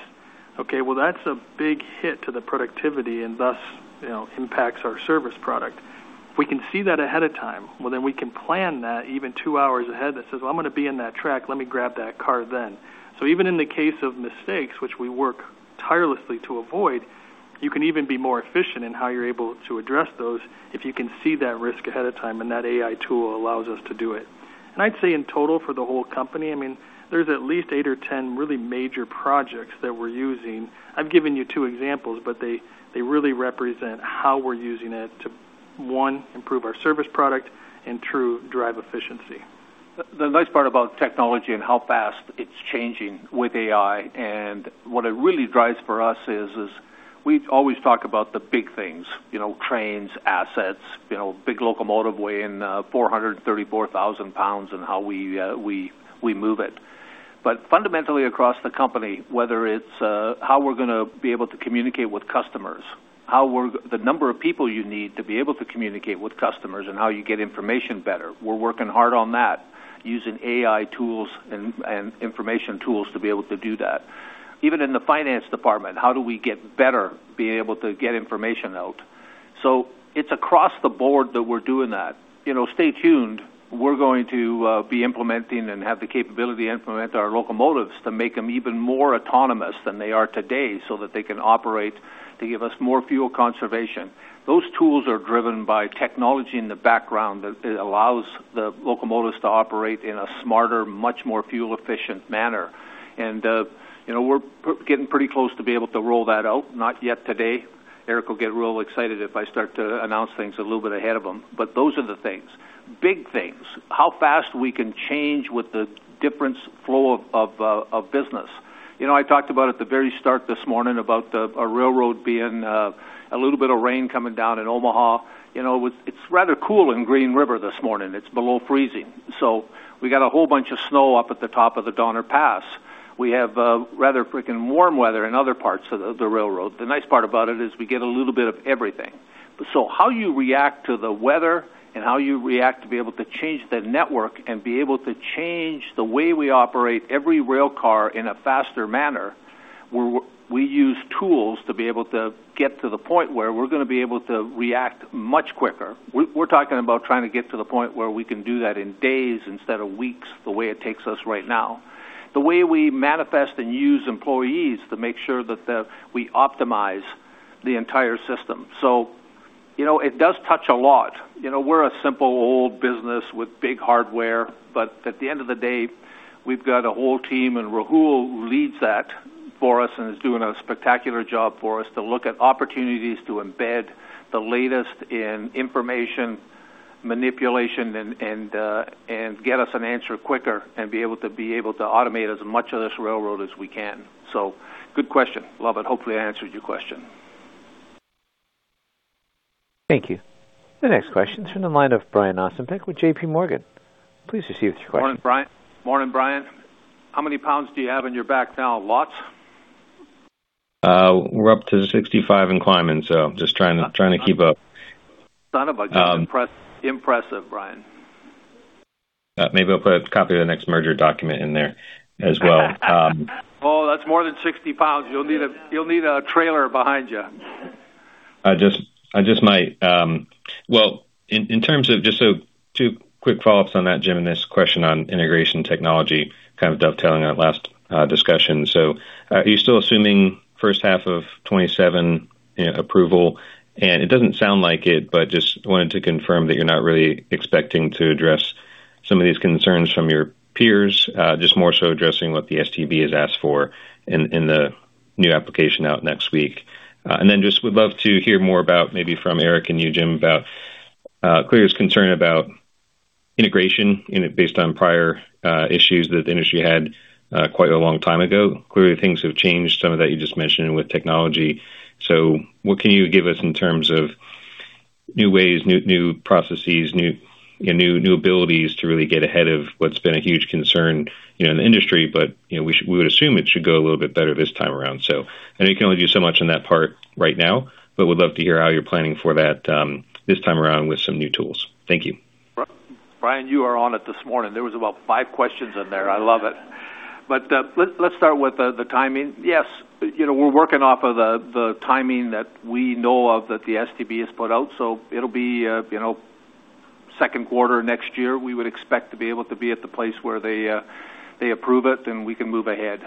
okay, well, that's a big hit to the productivity and thus impacts our service product. If we can see that ahead of time, well, then we can plan that even two hours ahead that says, "I'm going to be in that track. Let me grab that car then." Even in the case of mistakes, which we work tirelessly to avoid, you can even be more efficient in how you're able to address those if you can see that risk ahead of time, and that AI tool allows us to do it. I'd say in total for the whole company, there's at least eight or 10 really major projects that we're using. I've given you two examples, but they really represent how we're using it to, one, improve our service product and, two, drive efficiency. The nice part about technology and how fast it's changing with AI, and what it really drives for us is, we always talk about the big things, trains, assets, big locomotive weighing 434,000 lb and how we move it. Fundamentally across the company, whether it's how we're going to be able to communicate with customers, the number of people you need to be able to communicate with customers and how you get information better, we're working hard on that using AI tools and information tools to be able to do that. Even in the finance department, how do we get better, be able to get information out. It's across the board that we're doing that. Stay tuned, we're going to be implementing and have the capability to implement our locomotives to make them even more autonomous than they are today so that they can operate to give us more fuel conservation. Those tools are driven by technology in the background that allows the locomotives to operate in a smarter, much more fuel efficient manner. We're getting pretty close to be able to roll that out. Not yet today. Eric will get real excited if I start to announce things a little bit ahead of him. Those are the things, big things. How fast we can change with the difference flow of business. I talked about at the very start this morning about a railroad being a little bit of rain coming down in Omaha. It's rather cool in Green River this morning. It's below freezing. We got a whole bunch of snow up at the top of the Donner Pass. We have rather freaking warm weather in other parts of the railroad. The nice part about it is we get a little bit of everything. How you react to the weather and how you react to be able to change the network and be able to change the way we operate every rail car in a faster manner, we use tools to be able to get to the point where we're going to be able to react much quicker. We're talking about trying to get to the point where we can do that in days instead of weeks, the way it takes us right now. The way we manifest and use employees to make sure that we optimize the entire system. It does touch a lot. We're a simple old business with big hardware, but at the end of the day, we've got a whole team, and Rahul, who leads that for us and is doing a spectacular job for us to look at opportunities to embed the latest in information manipulation and get us an answer quicker and be able to automate as much of this railroad as we can. Good question, Love it. Hopefully, I answered your question. Thank you. The next question is from the line of Brian Ossenbeck with J.P. Morgan. Please receive your question. Morning, Brian. How many pounds do you have on your back now? Lots? We're up to 65 lb and climbing, so just trying to keep up. Son of a gun. Impressive, Brian. Maybe I'll put a copy of the next merger document in there as well. Oh, that's more than 60 lbs. You'll need a trailer behind you. I just might. Well, in terms of just two quick follow-ups on that, Jim, and this question on integration technology kind of dovetailing our last discussion. Are you still assuming first half of 2027 approval? It doesn't sound like it, but just wanted to confirm that you're not really expecting to address some of these concerns from your peers, just more so addressing what the STB has asked for in the- New application out next week. Then just would love to hear more about, maybe from Eric and you, Jim, about clear concern about integration based on prior issues that the industry had quite a long time ago. Clearly, things have changed, some of that you just mentioned with technology. What can you give us in terms of new ways, new processes, new abilities to really get ahead of what's been a huge concern in the industry? But we would assume it should go a little bit better this time around. I know you can only do so much on that part right now, but would love to hear how you're planning for that this time around with some new tools. Thank you. Brian, you are on it this morning. There was about five questions in there. I love it. Let's start with the timing. Yes, we're working off of the timing that we know of that the STB has put out. It'll be second quarter next year, we would expect to be able to be at the place where they approve it, and we can move ahead.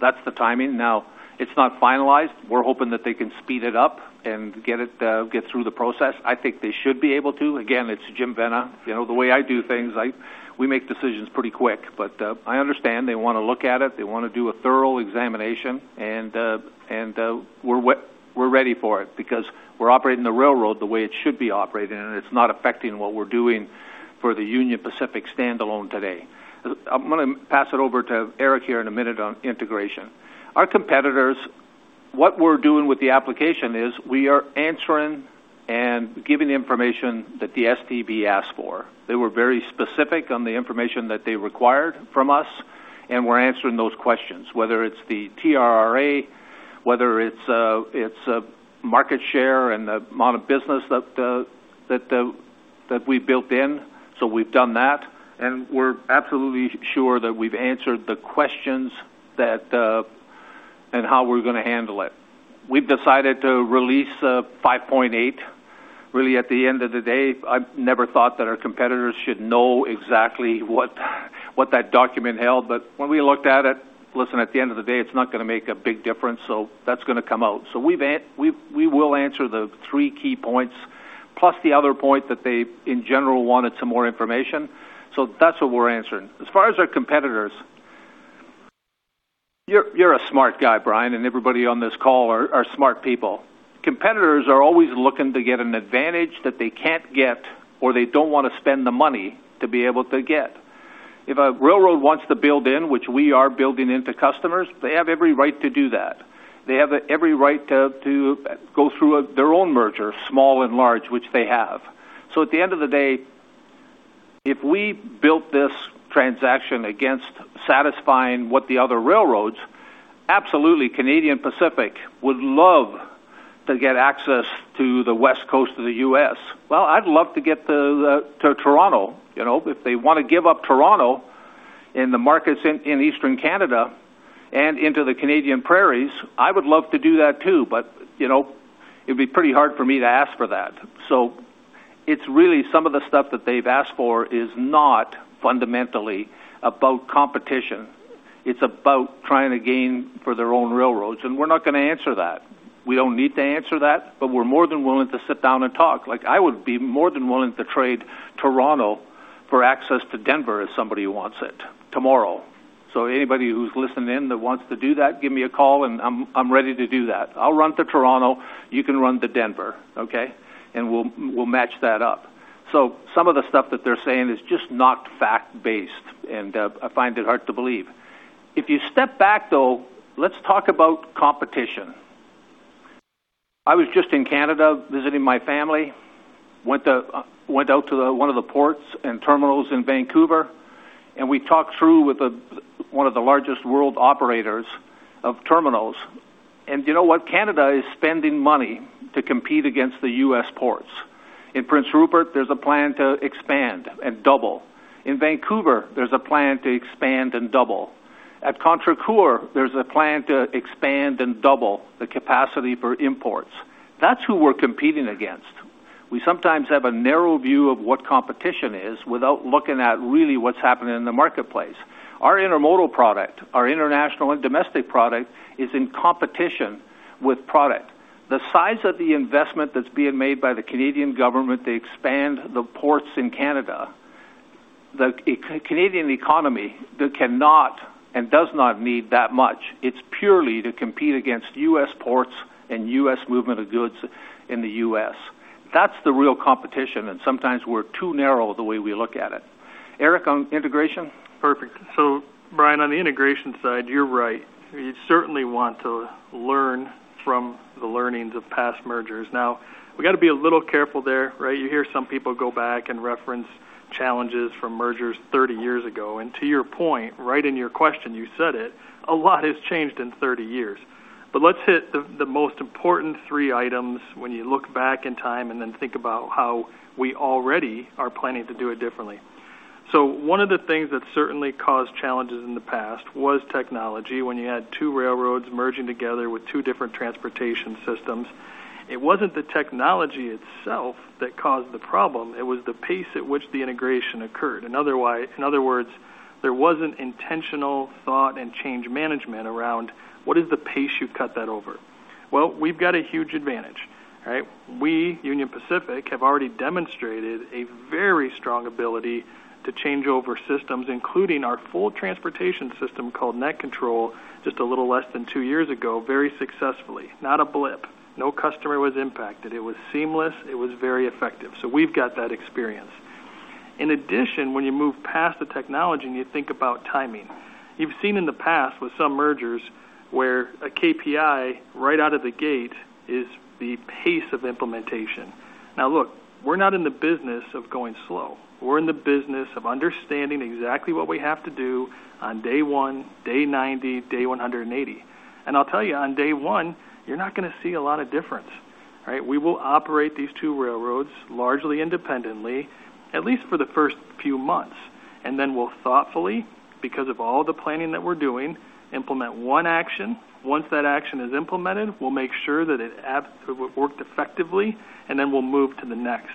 That's the timing. Now, it's not finalized. We're hoping that they can speed it up and get through the process. I think they should be able to. Again, it's Jim Vena. The way I do things, we make decisions pretty quick. I understand they want to look at it. They want to do a thorough examination, and we're ready for it because we're operating the railroad the way it should be operated, and it's not affecting what we're doing for the Union Pacific standalone today. I'm going to pass it over to Eric here in a minute on integration. Our competitors, what we're doing with the application is we are answering and giving the information that the STB asked for. They were very specific on the information that they required from us, and we're answering those questions, whether it's the TRRA, whether it's market share and the amount of business that we built in. We've done that, and we're absolutely sure that we've answered the questions and how we're going to handle it. We've decided to release 5.8. Really at the end of the day, I've never thought that our competitors should know exactly what that document held. When we looked at it, listen, at the end of the day, it's not going to make a big difference. That's going to come out. We will answer the three key points, plus the other point that they, in general, wanted some more information. That's what we're answering. As far as our competitors, you're a smart guy, Brian, and everybody on this call are smart people. Competitors are always looking to get an advantage that they can't get or they don't want to spend the money to be able to get. If a railroad wants to build in, which we are building into customers, they have every right to do that. They have every right to go through their own merger, small and large, which they have. At the end of the day, if we built this transaction against satisfying what the other railroads, absolutely, Canadian Pacific would love to get access to the West Coast of the U.S. Well, I'd love to get to Toronto. If they want to give up Toronto and the markets in Eastern Canada and into the Canadian prairies, I would love to do that, too. It'd be pretty hard for me to ask for that. It's really some of the stuff that they've asked for is not fundamentally about competition. It's about trying to gain for their own railroads, and we're not going to answer that. We don't need to answer that, but we're more than willing to sit down and talk. Like I would be more than willing to trade Toronto for access to Denver if somebody wants it tomorrow. Anybody who's listening in that wants to do that, give me a call and I'm ready to do that. I'll run to Toronto, you can run to Denver, okay? We'll match that up. Some of the stuff that they're saying is just not fact-based, and I find it hard to believe. If you step back, though, let's talk about competition. I was just in Canada visiting my family, went out to one of the ports and terminals in Vancouver, and we talked through with one of the largest world operators of terminals. You know what? Canada is spending money to compete against the U.S. ports. In Prince Rupert, there's a plan to expand and double. In Vancouver, there's a plan to expand and double. At Contrecoeur, there's a plan to expand and double the capacity for imports. That's who we're competing against. We sometimes have a narrow view of what competition is without looking at really what's happening in the marketplace. Our intermodal product, our international and domestic product, is in competition with product. The size of the investment that's being made by the Canadian government to expand the ports in Canada, the Canadian economy cannot and does not need that much. It's purely to compete against U.S. ports and U.S. movement of goods in the U.S. That's the real competition, and sometimes we're too narrow the way we look at it. Eric, on integration? Perfect. Brian, on the integration side, you're right. You certainly want to learn from the learnings of past mergers. Now, we got to be a little careful there. You hear some people go back and reference challenges from mergers 30 years ago, and to your point, right in your question, you said it, a lot has changed in 30 years. Let's hit the most important three items when you look back in time and then think about how we already are planning to do it differently. One of the things that certainly caused challenges in the past was technology, when you had two railroads merging together with two different transportation systems. It wasn't the technology itself that caused the problem, it was the pace at which the integration occurred. In other words, there wasn't intentional thought and change management around what is the pace you cut that over. Well, we've got a huge advantage, right? We, Union Pacific, have already demonstrated a very strong ability to change over systems, including our full transportation system called NetControl, just a little less than two years ago, very successfully. Not a blip. No customer was impacted. It was seamless. It was very effective. We've got that experience. In addition, when you move past the technology and you think about timing, you've seen in the past with some mergers where a KPI right out of the gate is the pace of implementation. Now, look, we're not in the business of going slow. We're in the business of understanding exactly what we have to do on day one, day 90, day 180. I'll tell you, on day one, you're not going to see a lot of difference. We will operate these two railroads largely independently, at least for the first few months. Then we'll thoughtfully, because of all the planning that we're doing, implement one action. Once that action is implemented, we'll make sure that it worked effectively, and then we'll move to the next.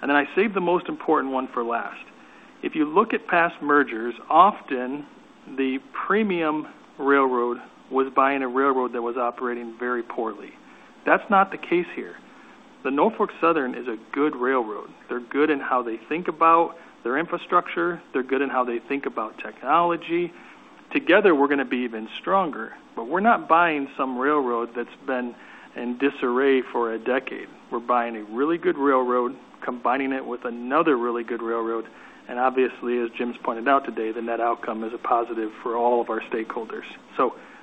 Then I saved the most important one for last. If you look at past mergers, often the premium railroad was buying a railroad that was operating very poorly. That's not the case here. Norfolk Southern is a good railroad. They're good in how they think about their infrastructure. They're good in how they think about technology. Together, we're going to be even stronger, but we're not buying some railroad that's been in disarray for a decade. We're buying a really good railroad, combining it with another really good railroad, and obviously, as Jim's pointed out today, the net outcome is a positive for all of our stakeholders.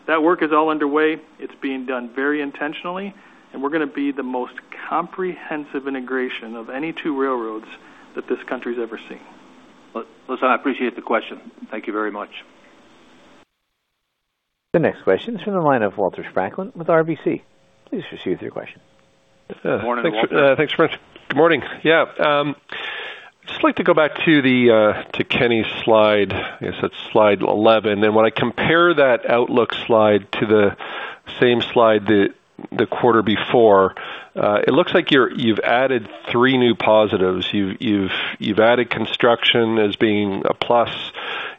That work is all underway. It's being done very intentionally, and we're going to be the most comprehensive integration of any two railroads that this country's ever seen. Listen, I appreciate the question. Thank you very much. The next question is from the line of Walter Spracklin with RBC. Please proceed with your question. Good morning, Walter. Thanks. Good morning. Yeah. I'd just like to go back to Kenny's slide. I guess that's slide 11. When I compare that outlook slide to the same slide the quarter before, it looks like you've added three new positives. You've added construction as being a plus,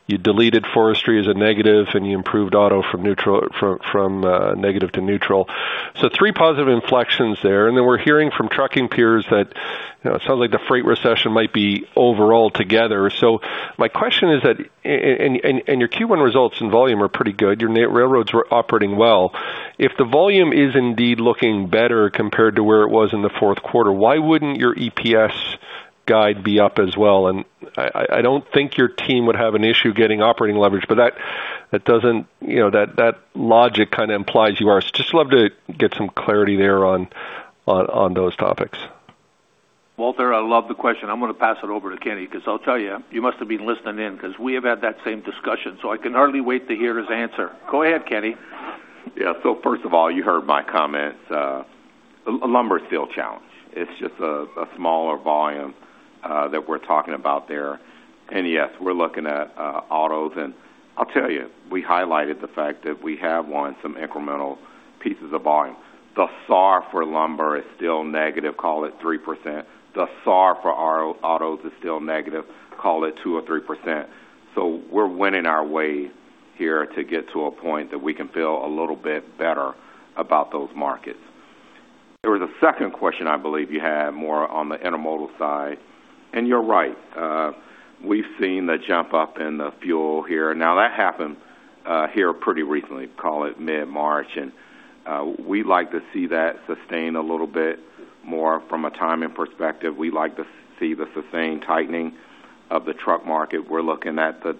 you deleted forestry as a negative, and you improved auto from negative to neutral. Three positive inflections there. Then we're hearing from trucking peers that it sounds like the freight recession might be over altogether. My question is that, and your Q1 results and volume are pretty good. Your railroads were operating well. If the volume is indeed looking better compared to where it was in the fourth quarter, why wouldn't your EPS guide be up as well? I don't think your team would have an issue getting operating leverage, but that logic kind of implies you are. I'd just love to get some clarity there on those topics. Walter, I love the question. I'm going to pass it over to Kenny because I'll tell you must have been listening in because we have had that same discussion, so I can hardly wait to hear his answer. Go ahead, Kenny. Yeah. First of all, you heard my comments. Lumber is still a challenge. It's just a smaller volume that we're talking about there. Yes, we're looking at autos. I'll tell you, we highlighted the fact that we have won some incremental pieces of volume. The SAR for lumber is still negative, call it 3%. The SAR for autos is still negative, call it 2% or 3%. We're winning our way here to get to a point that we can feel a little bit better about those markets. There was a second question I believe you had more on the intermodal side, and you're right. We've seen the jump up in the fuel here. Now, that happened here pretty recently, call it mid-March. We'd like to see that sustain a little bit more from a timing perspective. We like to see the sustained tightening of the truck market. We're looking at those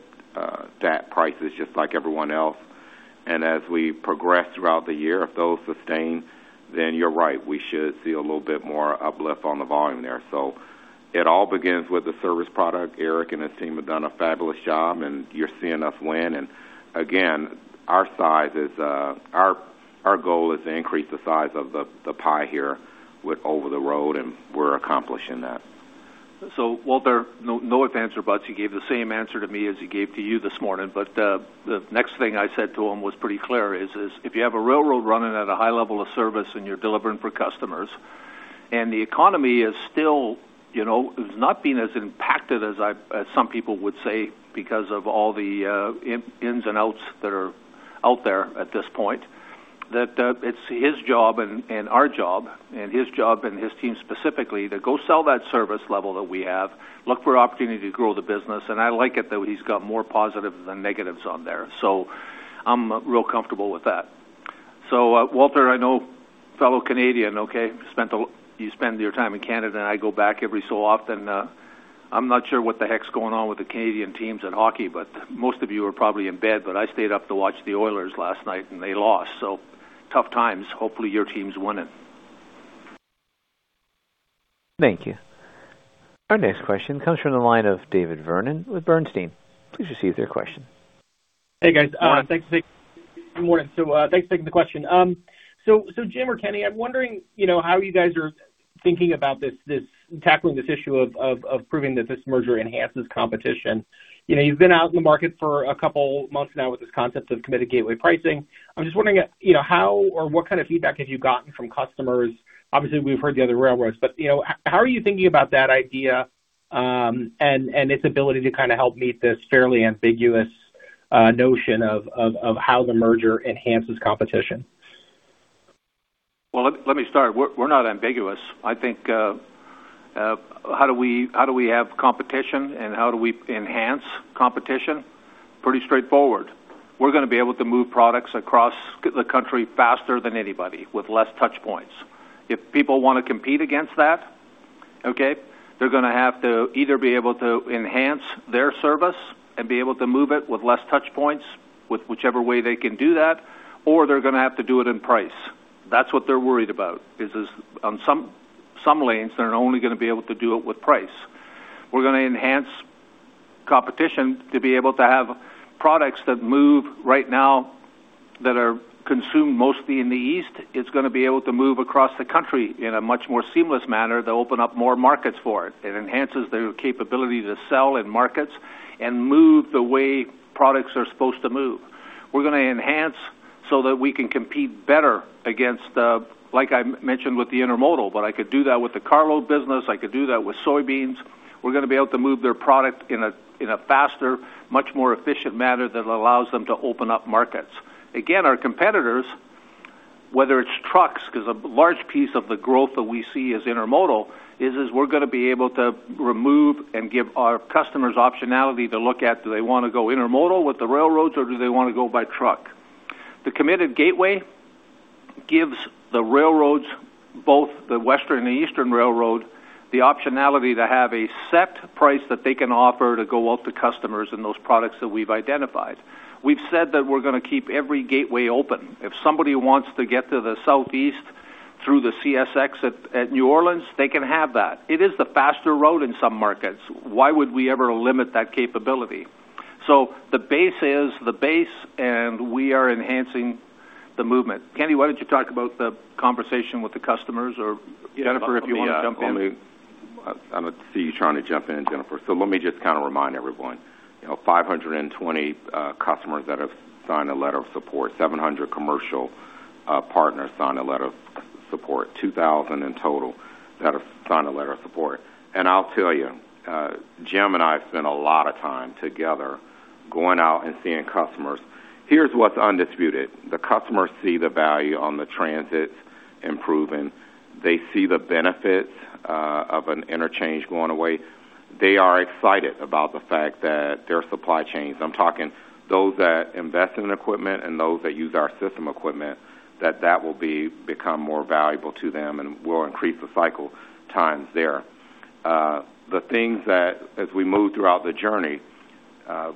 prices just like everyone else. As we progress throughout the year, if those sustain, then you're right, we should see a little bit more uplift on the volume there. It all begins with the service product. Eric and his team have done a fabulous job, and you're seeing us win. Again, our goal is to increase the size of the pie here with over the road, and we're accomplishing that. Walter, no ifs, ands, or buts, he gave the same answer to me as he gave to you this morning. The next thing I said to him was pretty clear, is if you have a railroad running at a high level of service and you're delivering for customers, and the economy is still not being as impacted as some people would say because of all the ins and outs that are out there at this point, that it's his job and our job, and his job and his team specifically, to go sell that service level that we have, look for opportunity to grow the business. I like it that he's got more positives than negatives on there. I'm real comfortable with that. Walter, I know, fellow Canadian, okay? You spend your time in Canada, and I go back every so often. I'm not sure what the heck's going on with the Canadian teams at hockey, but most of you are probably in bed, but I stayed up to watch the Oilers last night, and they lost. Tough times. Hopefully, your team's winning. Thank you. Our next question comes from the line of David Vernon with Bernstein. Please proceed with your question. Hey, guys. Morning. Good morning. Thanks for taking the question. Jim or Kenny, I'm wondering how you guys are thinking about tackling this issue of proving that this merger enhances competition. You've been out in the market for a couple months now with this concept of Committed Gateway Pricing. I'm just wondering how or what kind of feedback have you gotten from customers? Obviously, we've heard the other railroads, but how are you thinking about that idea and its ability to kind of help meet this fairly ambiguous Notion of how the merger enhances competition. Well, let me start. We're not ambiguous. I think, how do we have competition and how do we enhance competition? Pretty straightforward. We're going to be able to move products across the country faster than anybody with less touch points. If people want to compete against that, okay, they're going to have to either be able to enhance their service and be able to move it with less touch points, with whichever way they can do that, or they're going to have to do it in price. That's what they're worried about, is on some lanes, they're only going to be able to do it with price. We're going to enhance competition to be able to have products that move right now, that are consumed mostly in the East. It's going to be able to move across the country in a much more seamless manner that will open up more markets for it. It enhances their capability to sell in markets and move the way products are supposed to move. We're going to enhance so that we can compete better against the, like I mentioned with the intermodal, but I could do that with the cargo business. I could do that with soybeans. We're going to be able to move their product in a faster, much more efficient manner that allows them to open up markets. Again, our competitors, whether it's trucks, because a large piece of the growth that we see is intermodal, is we're going to be able to remove and give our customers optionality to look at, do they want to go intermodal with the railroads or do they want to go by truck? The committed gateway gives the railroads, both the western and the eastern railroad, the optionality to have a set price that they can offer to go out to customers in those products that we've identified. We've said that we're going to keep every gateway open. If somebody wants to get to the southeast through the CSX at New Orleans, they can have that. It is the faster road in some markets. Why would we ever limit that capability? The base is the base, and we are enhancing the movement. Kenny, why don't you talk about the conversation with the customers or, Jennifer, if you want to jump on that. I see you trying to jump in, Jennifer. Let me just kind of remind everyone, 520 customers that have signed a letter of support, 700 commercial partners signed a letter of support, 2,000 in total that have signed a letter of support. I'll tell you, Jim and I spent a lot of time together going out and seeing customers. Here's what's undisputed. The customers see the value on the transit improving. They see the benefits of an interchange going away. They are excited about the fact that their supply chains, I'm talking those that invest in equipment and those that use our system equipment, that that will become more valuable to them and will increase the cycle times there. The things that as we move throughout the journey,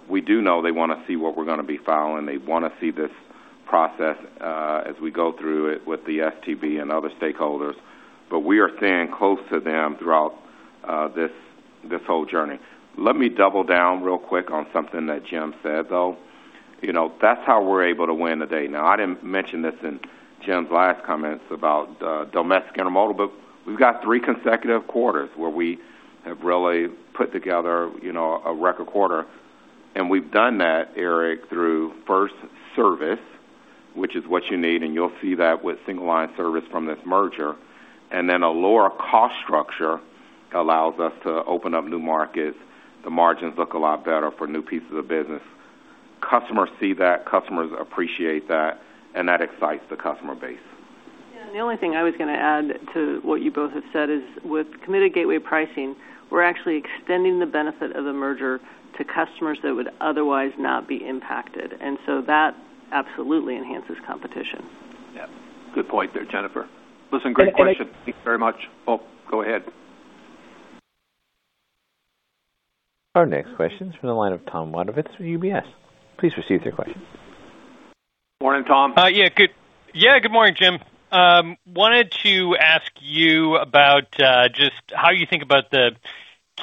we do know they want to see what we're going to be filing. They want to see this process as we go through it with the STB and other stakeholders. We are staying close to them throughout this whole journey. Let me double down real quick on something that Jim said, though. That's how we're able to win the day. Now, I didn't mention this in Jim's last comments about domestic intermodal, but we've got three consecutive quarters where we have really put together a record quarter, and we've done that, Eric, through first service, which is what you need, and you'll see that with single line service from this merger. Then a lower cost structure allows us to open up new markets. The margins look a lot better for new pieces of business. Customers see that. Customers appreciate that, and that excites the customer base. Yeah, the only thing I was going to add to what you both have said is with Committed Gateway Pricing, we're actually extending the benefit of the merger to customers that would otherwise not be impacted, and so that absolutely enhances competition. Yeah. Good point there, Jennifer. Listen, great question. Thank you very much. Oh, go ahead. Our next question is from the line of Tom Wadewitz with UBS. Please proceed with your question. Morning, Tom. Yeah, good morning, Jim. Wanted to ask you about just how you think about the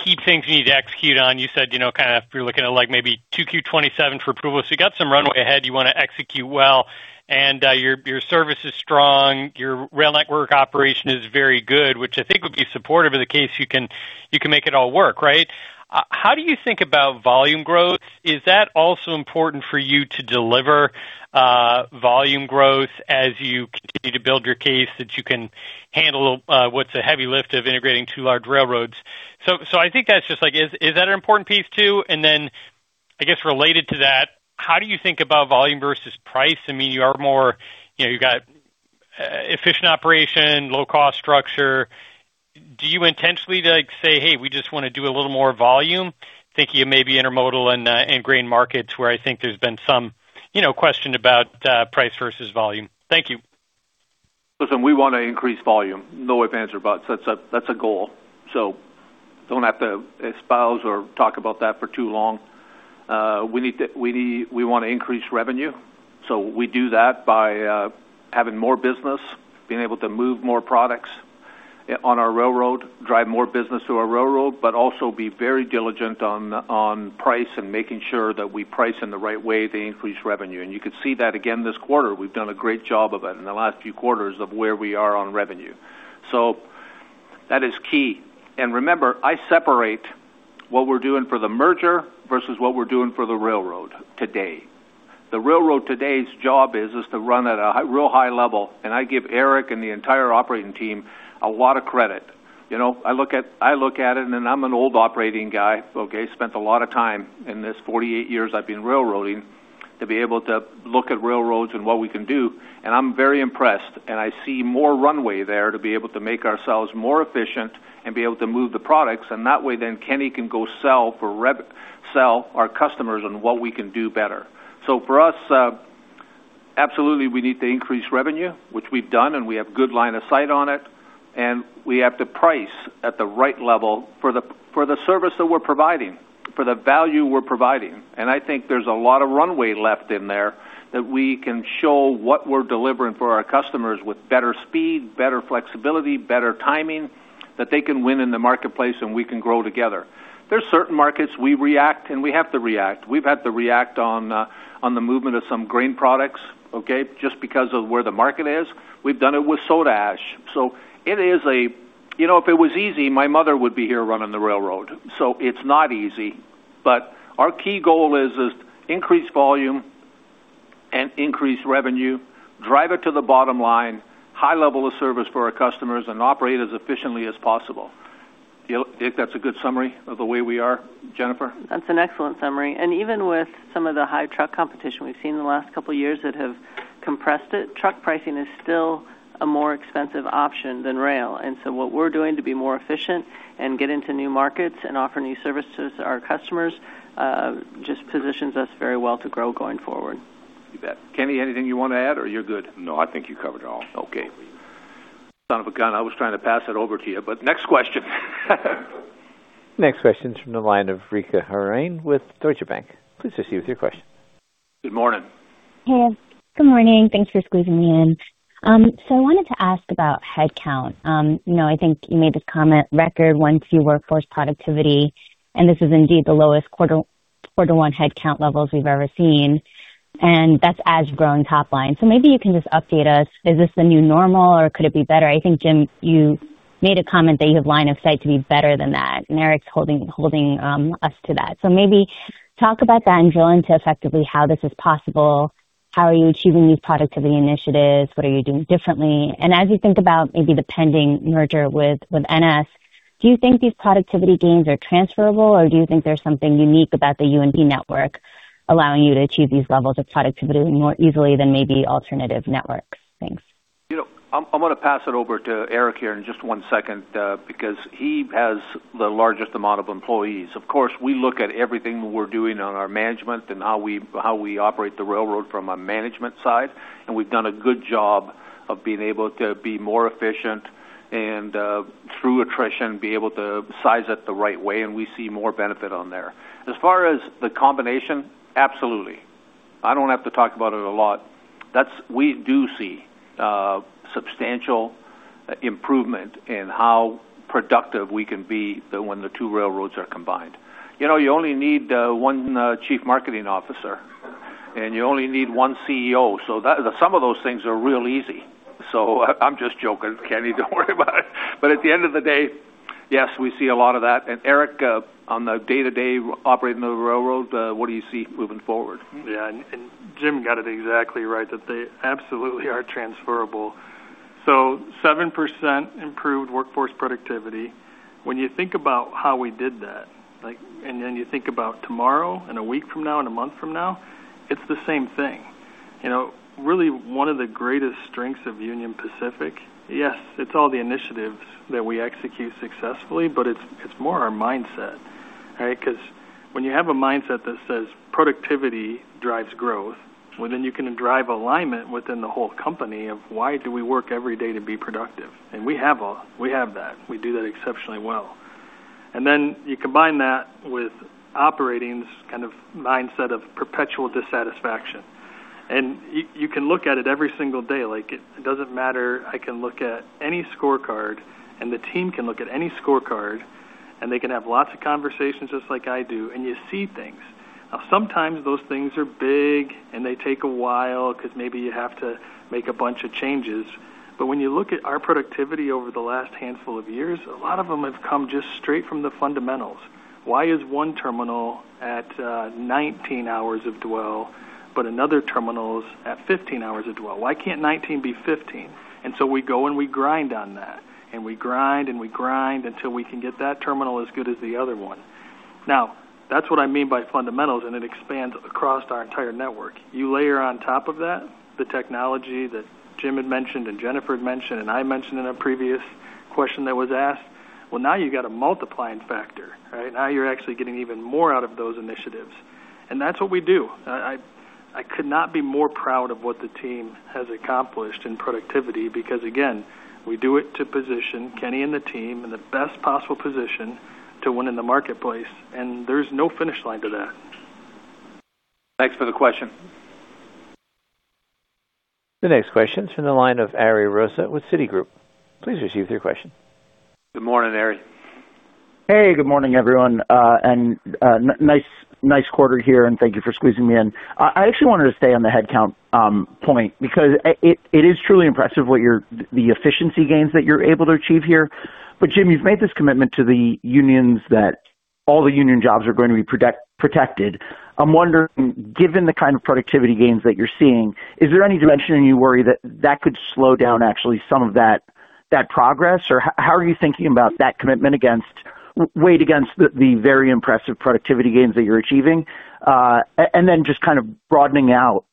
key things you need to execute on. You said, kind of if you're looking at, maybe 2Q27 for approval. You got some runway ahead. You want to execute well, and your service is strong. Your rail network operation is very good, which I think would be supportive of the case you can make it all work, right? How do you think about volume growth? Is that also important for you to deliver volume growth as you continue to build your case that you can handle what's a heavy lift of integrating two large railroads? I think that's just like, is that an important piece, too? Then I guess related to that, how do you think about volume versus price? You got efficient operation, low cost structure. Do you intentionally say, "Hey, we just want to do a little more volume," thinking of maybe intermodal and grain markets, where I think there's been some question about price versus volume? Thank you. Listen, we want to increase volume, no if, ands, or buts. That's a goal. Don't have to espouse or talk about that for too long. We want to increase revenue, so we do that by having more business, being able to move more products on our railroad, drive more business through our railroad, but also be very diligent on price and making sure that we price in the right way to increase revenue. You could see that again this quarter. We've done a great job of it in the last few quarters of where we are on revenue. That is key. Remember, I separate what we're doing for the merger versus what we're doing for the railroad today. The railroad today's job is to run at a real high level, and I give Eric and the entire operating team a lot of credit. I look at it, and I'm an old operating guy, okay? Spent a lot of time in these 48 years I've been railroading to be able to look at railroads and what we can do, and I'm very impressed, and I see more runway there to be able to make ourselves more efficient and be able to move the products. That way, then Kenny can go sell our customers on what we can do better. For us, absolutely, we need to increase revenue, which we've done, and we have good line of sight on it, and we have to price at the right level for the service that we're providing, for the value we're providing. I think there's a lot of runway left in there that we can show what we're delivering for our customers with better speed, better flexibility, better timing, that they can win in the marketplace, and we can grow together. There's certain markets we react, and we have to react. We've had to react on the movement of some grain products, okay? Just because of where the market is. We've done it with soda ash. If it was easy, my mother would be here running the railroad. It's not easy. Our key goal is increased volume and increased revenue, drive it to the bottom line, high level of service for our customers, and operate as efficiently as possible. I think that's a good summary of the way we are, Jennifer? That's an excellent summary. Even with some of the high truck competition we've seen in the last couple of years that have compressed it, truck pricing is still a more expensive option than rail. What we're doing to be more efficient and get into new markets and offer new services to our customers just positions us very well to grow going forward. You bet. Kenny, anything you want to add or you're good? No, I think you covered it all. Okay. Son of a gun, I was trying to pass it over to you, but next question. Next question is from the line of Richa Harnain with Deutsche Bank. Please proceed with your question. Good morning. Hey, good morning. Thanks for squeezing me in. I wanted to ask about headcount. I think you made the comment record 1Q workforce productivity, and this is indeed the lowest quarter one headcount levels we've ever seen, and that's with a growing top line. Maybe you can just update us. Is this the new normal or could it be better? I think, Jim, you made a comment that you have line of sight to be better than that, and Eric's holding us to that. Maybe talk about that and drill into effectively how this is possible. How are you achieving these productivity initiatives? What are you doing differently? As you think about maybe the pending merger with NS, do you think these productivity gains are transferable, or do you think there's something unique about the UNP network allowing you to achieve these levels of productivity more easily than maybe alternative networks? Thanks. I'm going to pass it over to Eric here in just one second, because he has the largest amount of employees. Of course, we look at everything we're doing on our management and how we operate the railroad from a management side, and we've done a good job of being able to be more efficient and through attrition, be able to size it the right way, and we see more benefit on there. As far as the combination, absolutely. I don't have to talk about it a lot. We do see substantial improvement in how productive we can be when the two railroads are combined. You only need one Chief Marketing Officer and you only need one CEO. Some of those things are real easy. I'm just joking, Kenny, don't worry about it. At the end of the day, yes, we see a lot of that. Eric, on the day-to-day operating the railroad, what do you see moving forward? Yeah, Jim got it exactly right, that they absolutely are transferable. 7% improved workforce productivity when you think about how we did that, and then you think about tomorrow and a week from now and a month from now, it's the same thing. Really, one of the greatest strengths of Union Pacific, yes, it's all the initiatives that we execute successfully, but it's more our mindset. Because when you have a mindset that says productivity drives growth, well, then you can drive alignment within the whole company of why do we work every day to be productive? We have that. We do that exceptionally well. You combine that with operating this kind of mindset of perpetual dissatisfaction. You can look at it every single day. It doesn't matter. I can look at any scorecard and the team can look at any scorecard, and they can have lots of conversations just like I do, and you see things. Now, sometimes those things are big and they take a while because maybe you have to make a bunch of changes. When you look at our productivity over the last handful of years, a lot of them have come just straight from the fundamentals. Why is one terminal at 19 hours of dwell, but another terminal is at 15 hours of dwell? Why can't 19 be 15? We go and we grind on that, and we grind and we grind until we can get that terminal as good as the other one. Now, that's what I mean by fundamentals, and it expands across our entire network. You layer on top of that the technology that Jim had mentioned and Jennifer had mentioned, and I mentioned in a previous question that was asked, well, now you've got a multiplying factor. Now you're actually getting even more out of those initiatives. That's what we do. I could not be more proud of what the team has accomplished in productivity because, again, we do it to position Kenny and the team in the best possible position to win in the marketplace, and there's no finish line to that. Thanks for the question. The next question is from the line of Ari Rosa with Citigroup. Please receive your question. Good morning, Ari. Hey, good morning, everyone, and nice quarter here, and thank you for squeezing me in. I actually wanted to stay on the headcount point because it is truly impressive, the efficiency gains that you're able to achieve here. Jim, you've made this commitment to the unions that all the union jobs are going to be protected. I'm wondering, given the kind of productivity gains that you're seeing, is there any dimension in which you worry that that could slow down actually some of that progress? How are you thinking about that commitment weighed against the very impressive productivity gains that you're achieving? Then just kind of broadening out,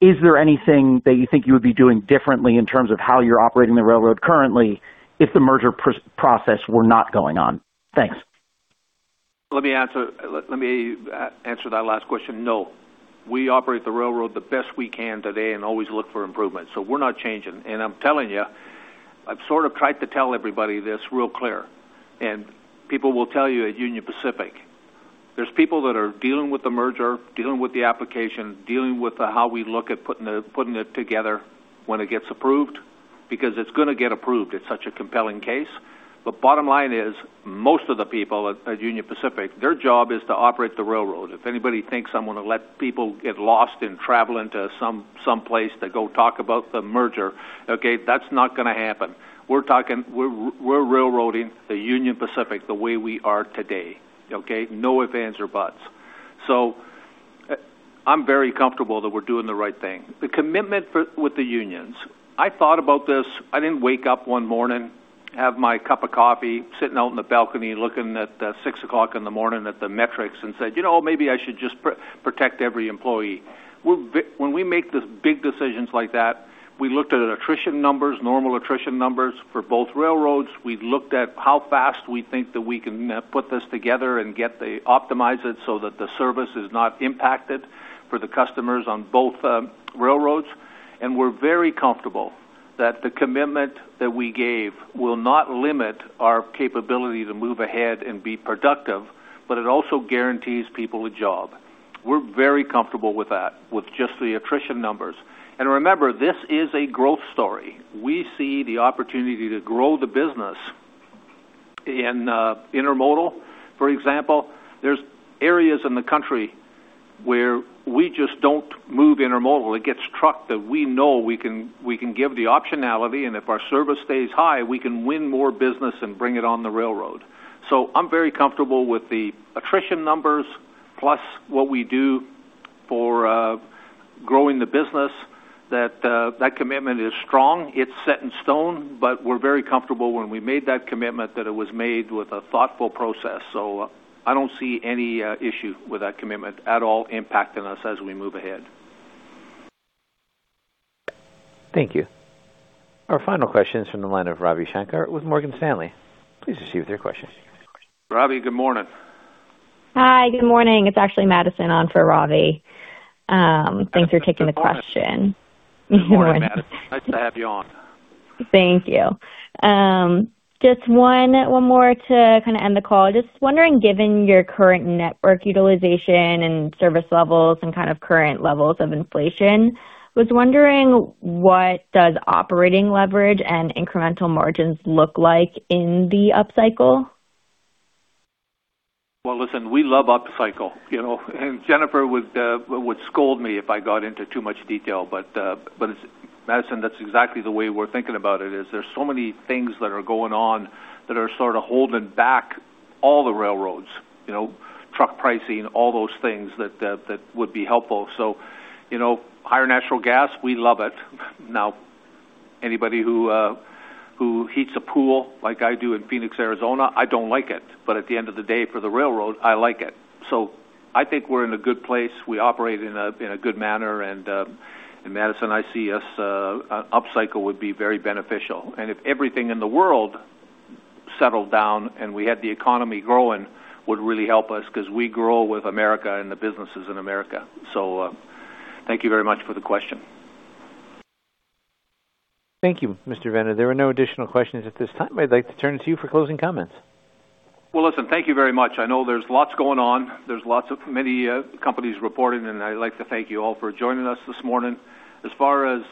is there anything that you think you would be doing differently in terms of how you're operating the railroad currently if the merger process were not going on? Thanks. Let me answer that last question. No. We operate the railroad the best we can today and always look for improvement. We're not changing. I'm telling you, I've sort of tried to tell everybody this real clear, and people will tell you at Union Pacific, there's people that are dealing with the merger, dealing with the application, dealing with the how we look at putting it together when it gets approved, because it's going to get approved. It's such a compelling case. Bottom line is, most of the people at Union Pacific, their job is to operate the railroad. If anybody thinks I'm going to let people get lost in travel into some someplace to go talk about the merger, okay, that's not going to happen. We're railroading the Union Pacific the way we are today, okay? No ifs, ands or buts. I'm very comfortable that we're doing the right thing. The commitment with the unions, I thought about this. I didn't wake up one morning, have my cup of coffee, sitting out in the balcony looking at 6:00 A.M. at the metrics and said, "You know, maybe I should just protect every employee." When we make the big decisions like that, we looked at attrition numbers, normal attrition numbers for both railroads. We've looked at how fast we think that we can put this together and optimize it so that the service is not impacted for the customers on both railroads. We're very comfortable that the commitment that we gave will not limit our capability to move ahead and be productive, but it also guarantees people a job. We're very comfortable with that, with just the attrition numbers. Remember, this is a growth story. We see the opportunity to grow the business in intermodal. For example, there's areas in the country where we just don't move intermodal. It gets trucked that we know we can give the optionality, and if our service stays high, we can win more business and bring it on the railroad. I'm very comfortable with the attrition numbers, plus what we do for growing the business, that commitment is strong. It's set in stone, but we're very comfortable when we made that commitment that it was made with a thoughtful process. I don't see any issue with that commitment at all impacting us as we move ahead. Thank you. Our final question is from the line of Ravi Shanker with Morgan Stanley. Please proceed with your question. Ravi, good morning. Hi, good morning. It's actually Madison on for Ravi. Thanks for taking the question. Good morning, Madison. Nice to have you on. Thank you. Just one more to kind of end the call. Just wondering, given your current network utilization and service levels and kind of current levels of inflation, was wondering what does operating leverage and incremental margins look like in the upcycle? Well, listen, we love upcycle. Jennifer would scold me if I got into too much detail, but Madison, that's exactly the way we're thinking about it, is there's so many things that are going on that are sort of holding back all the railroads, truck pricing, all those things that would be helpful. Higher natural gas, we love it. Now, anybody who heats a pool like I do in Phoenix, Arizona, I don't like it, but at the end of the day, for the railroad, I like it. I think we're in a good place. We operate in a good manner. Madison, I see us, upcycle would be very beneficial. If everything in the world settled down and we had the economy growing, would really help us because we grow with America and the businesses in America. Thank you very much for the question. Thank you, Mr. Vena. There are no additional questions at this time. I'd like to turn it to you for closing comments. Well, listen, thank you very much. I know there's lots going on. There's lots of many companies reporting, and I'd like to thank you all for joining us this morning. As far as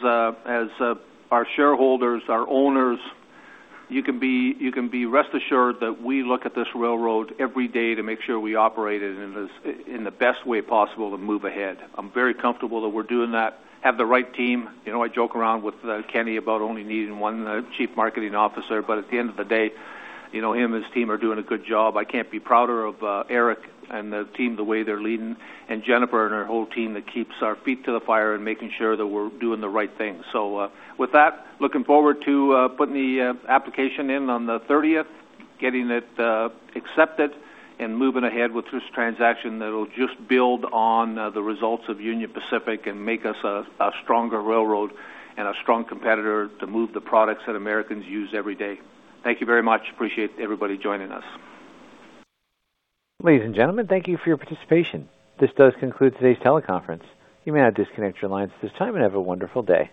our shareholders, our owners, you can be rest assured that we look at this railroad every day to make sure we operate it in the best way possible to move ahead. I'm very comfortable that we're doing that and have the right team. I joke around with Kenny about only needing one Chief Marketing Officer, but at the end of the day, him and his team are doing a good job. I can't be prouder of Eric and the team, the way they're leading, and Jennifer and her whole team that keeps our feet to the fire and making sure that we're doing the right thing. With that, looking forward to putting the application in on the 30th, getting it accepted, and moving ahead with this transaction that'll just build on the results of Union Pacific and make us a stronger railroad and a strong competitor to move the products that Americans use every day. Thank you very much. Appreciate everybody joining us. Ladies and gentlemen, thank you for your participation. This does conclude today's teleconference. You may now disconnect your lines at this time, and have a wonderful day.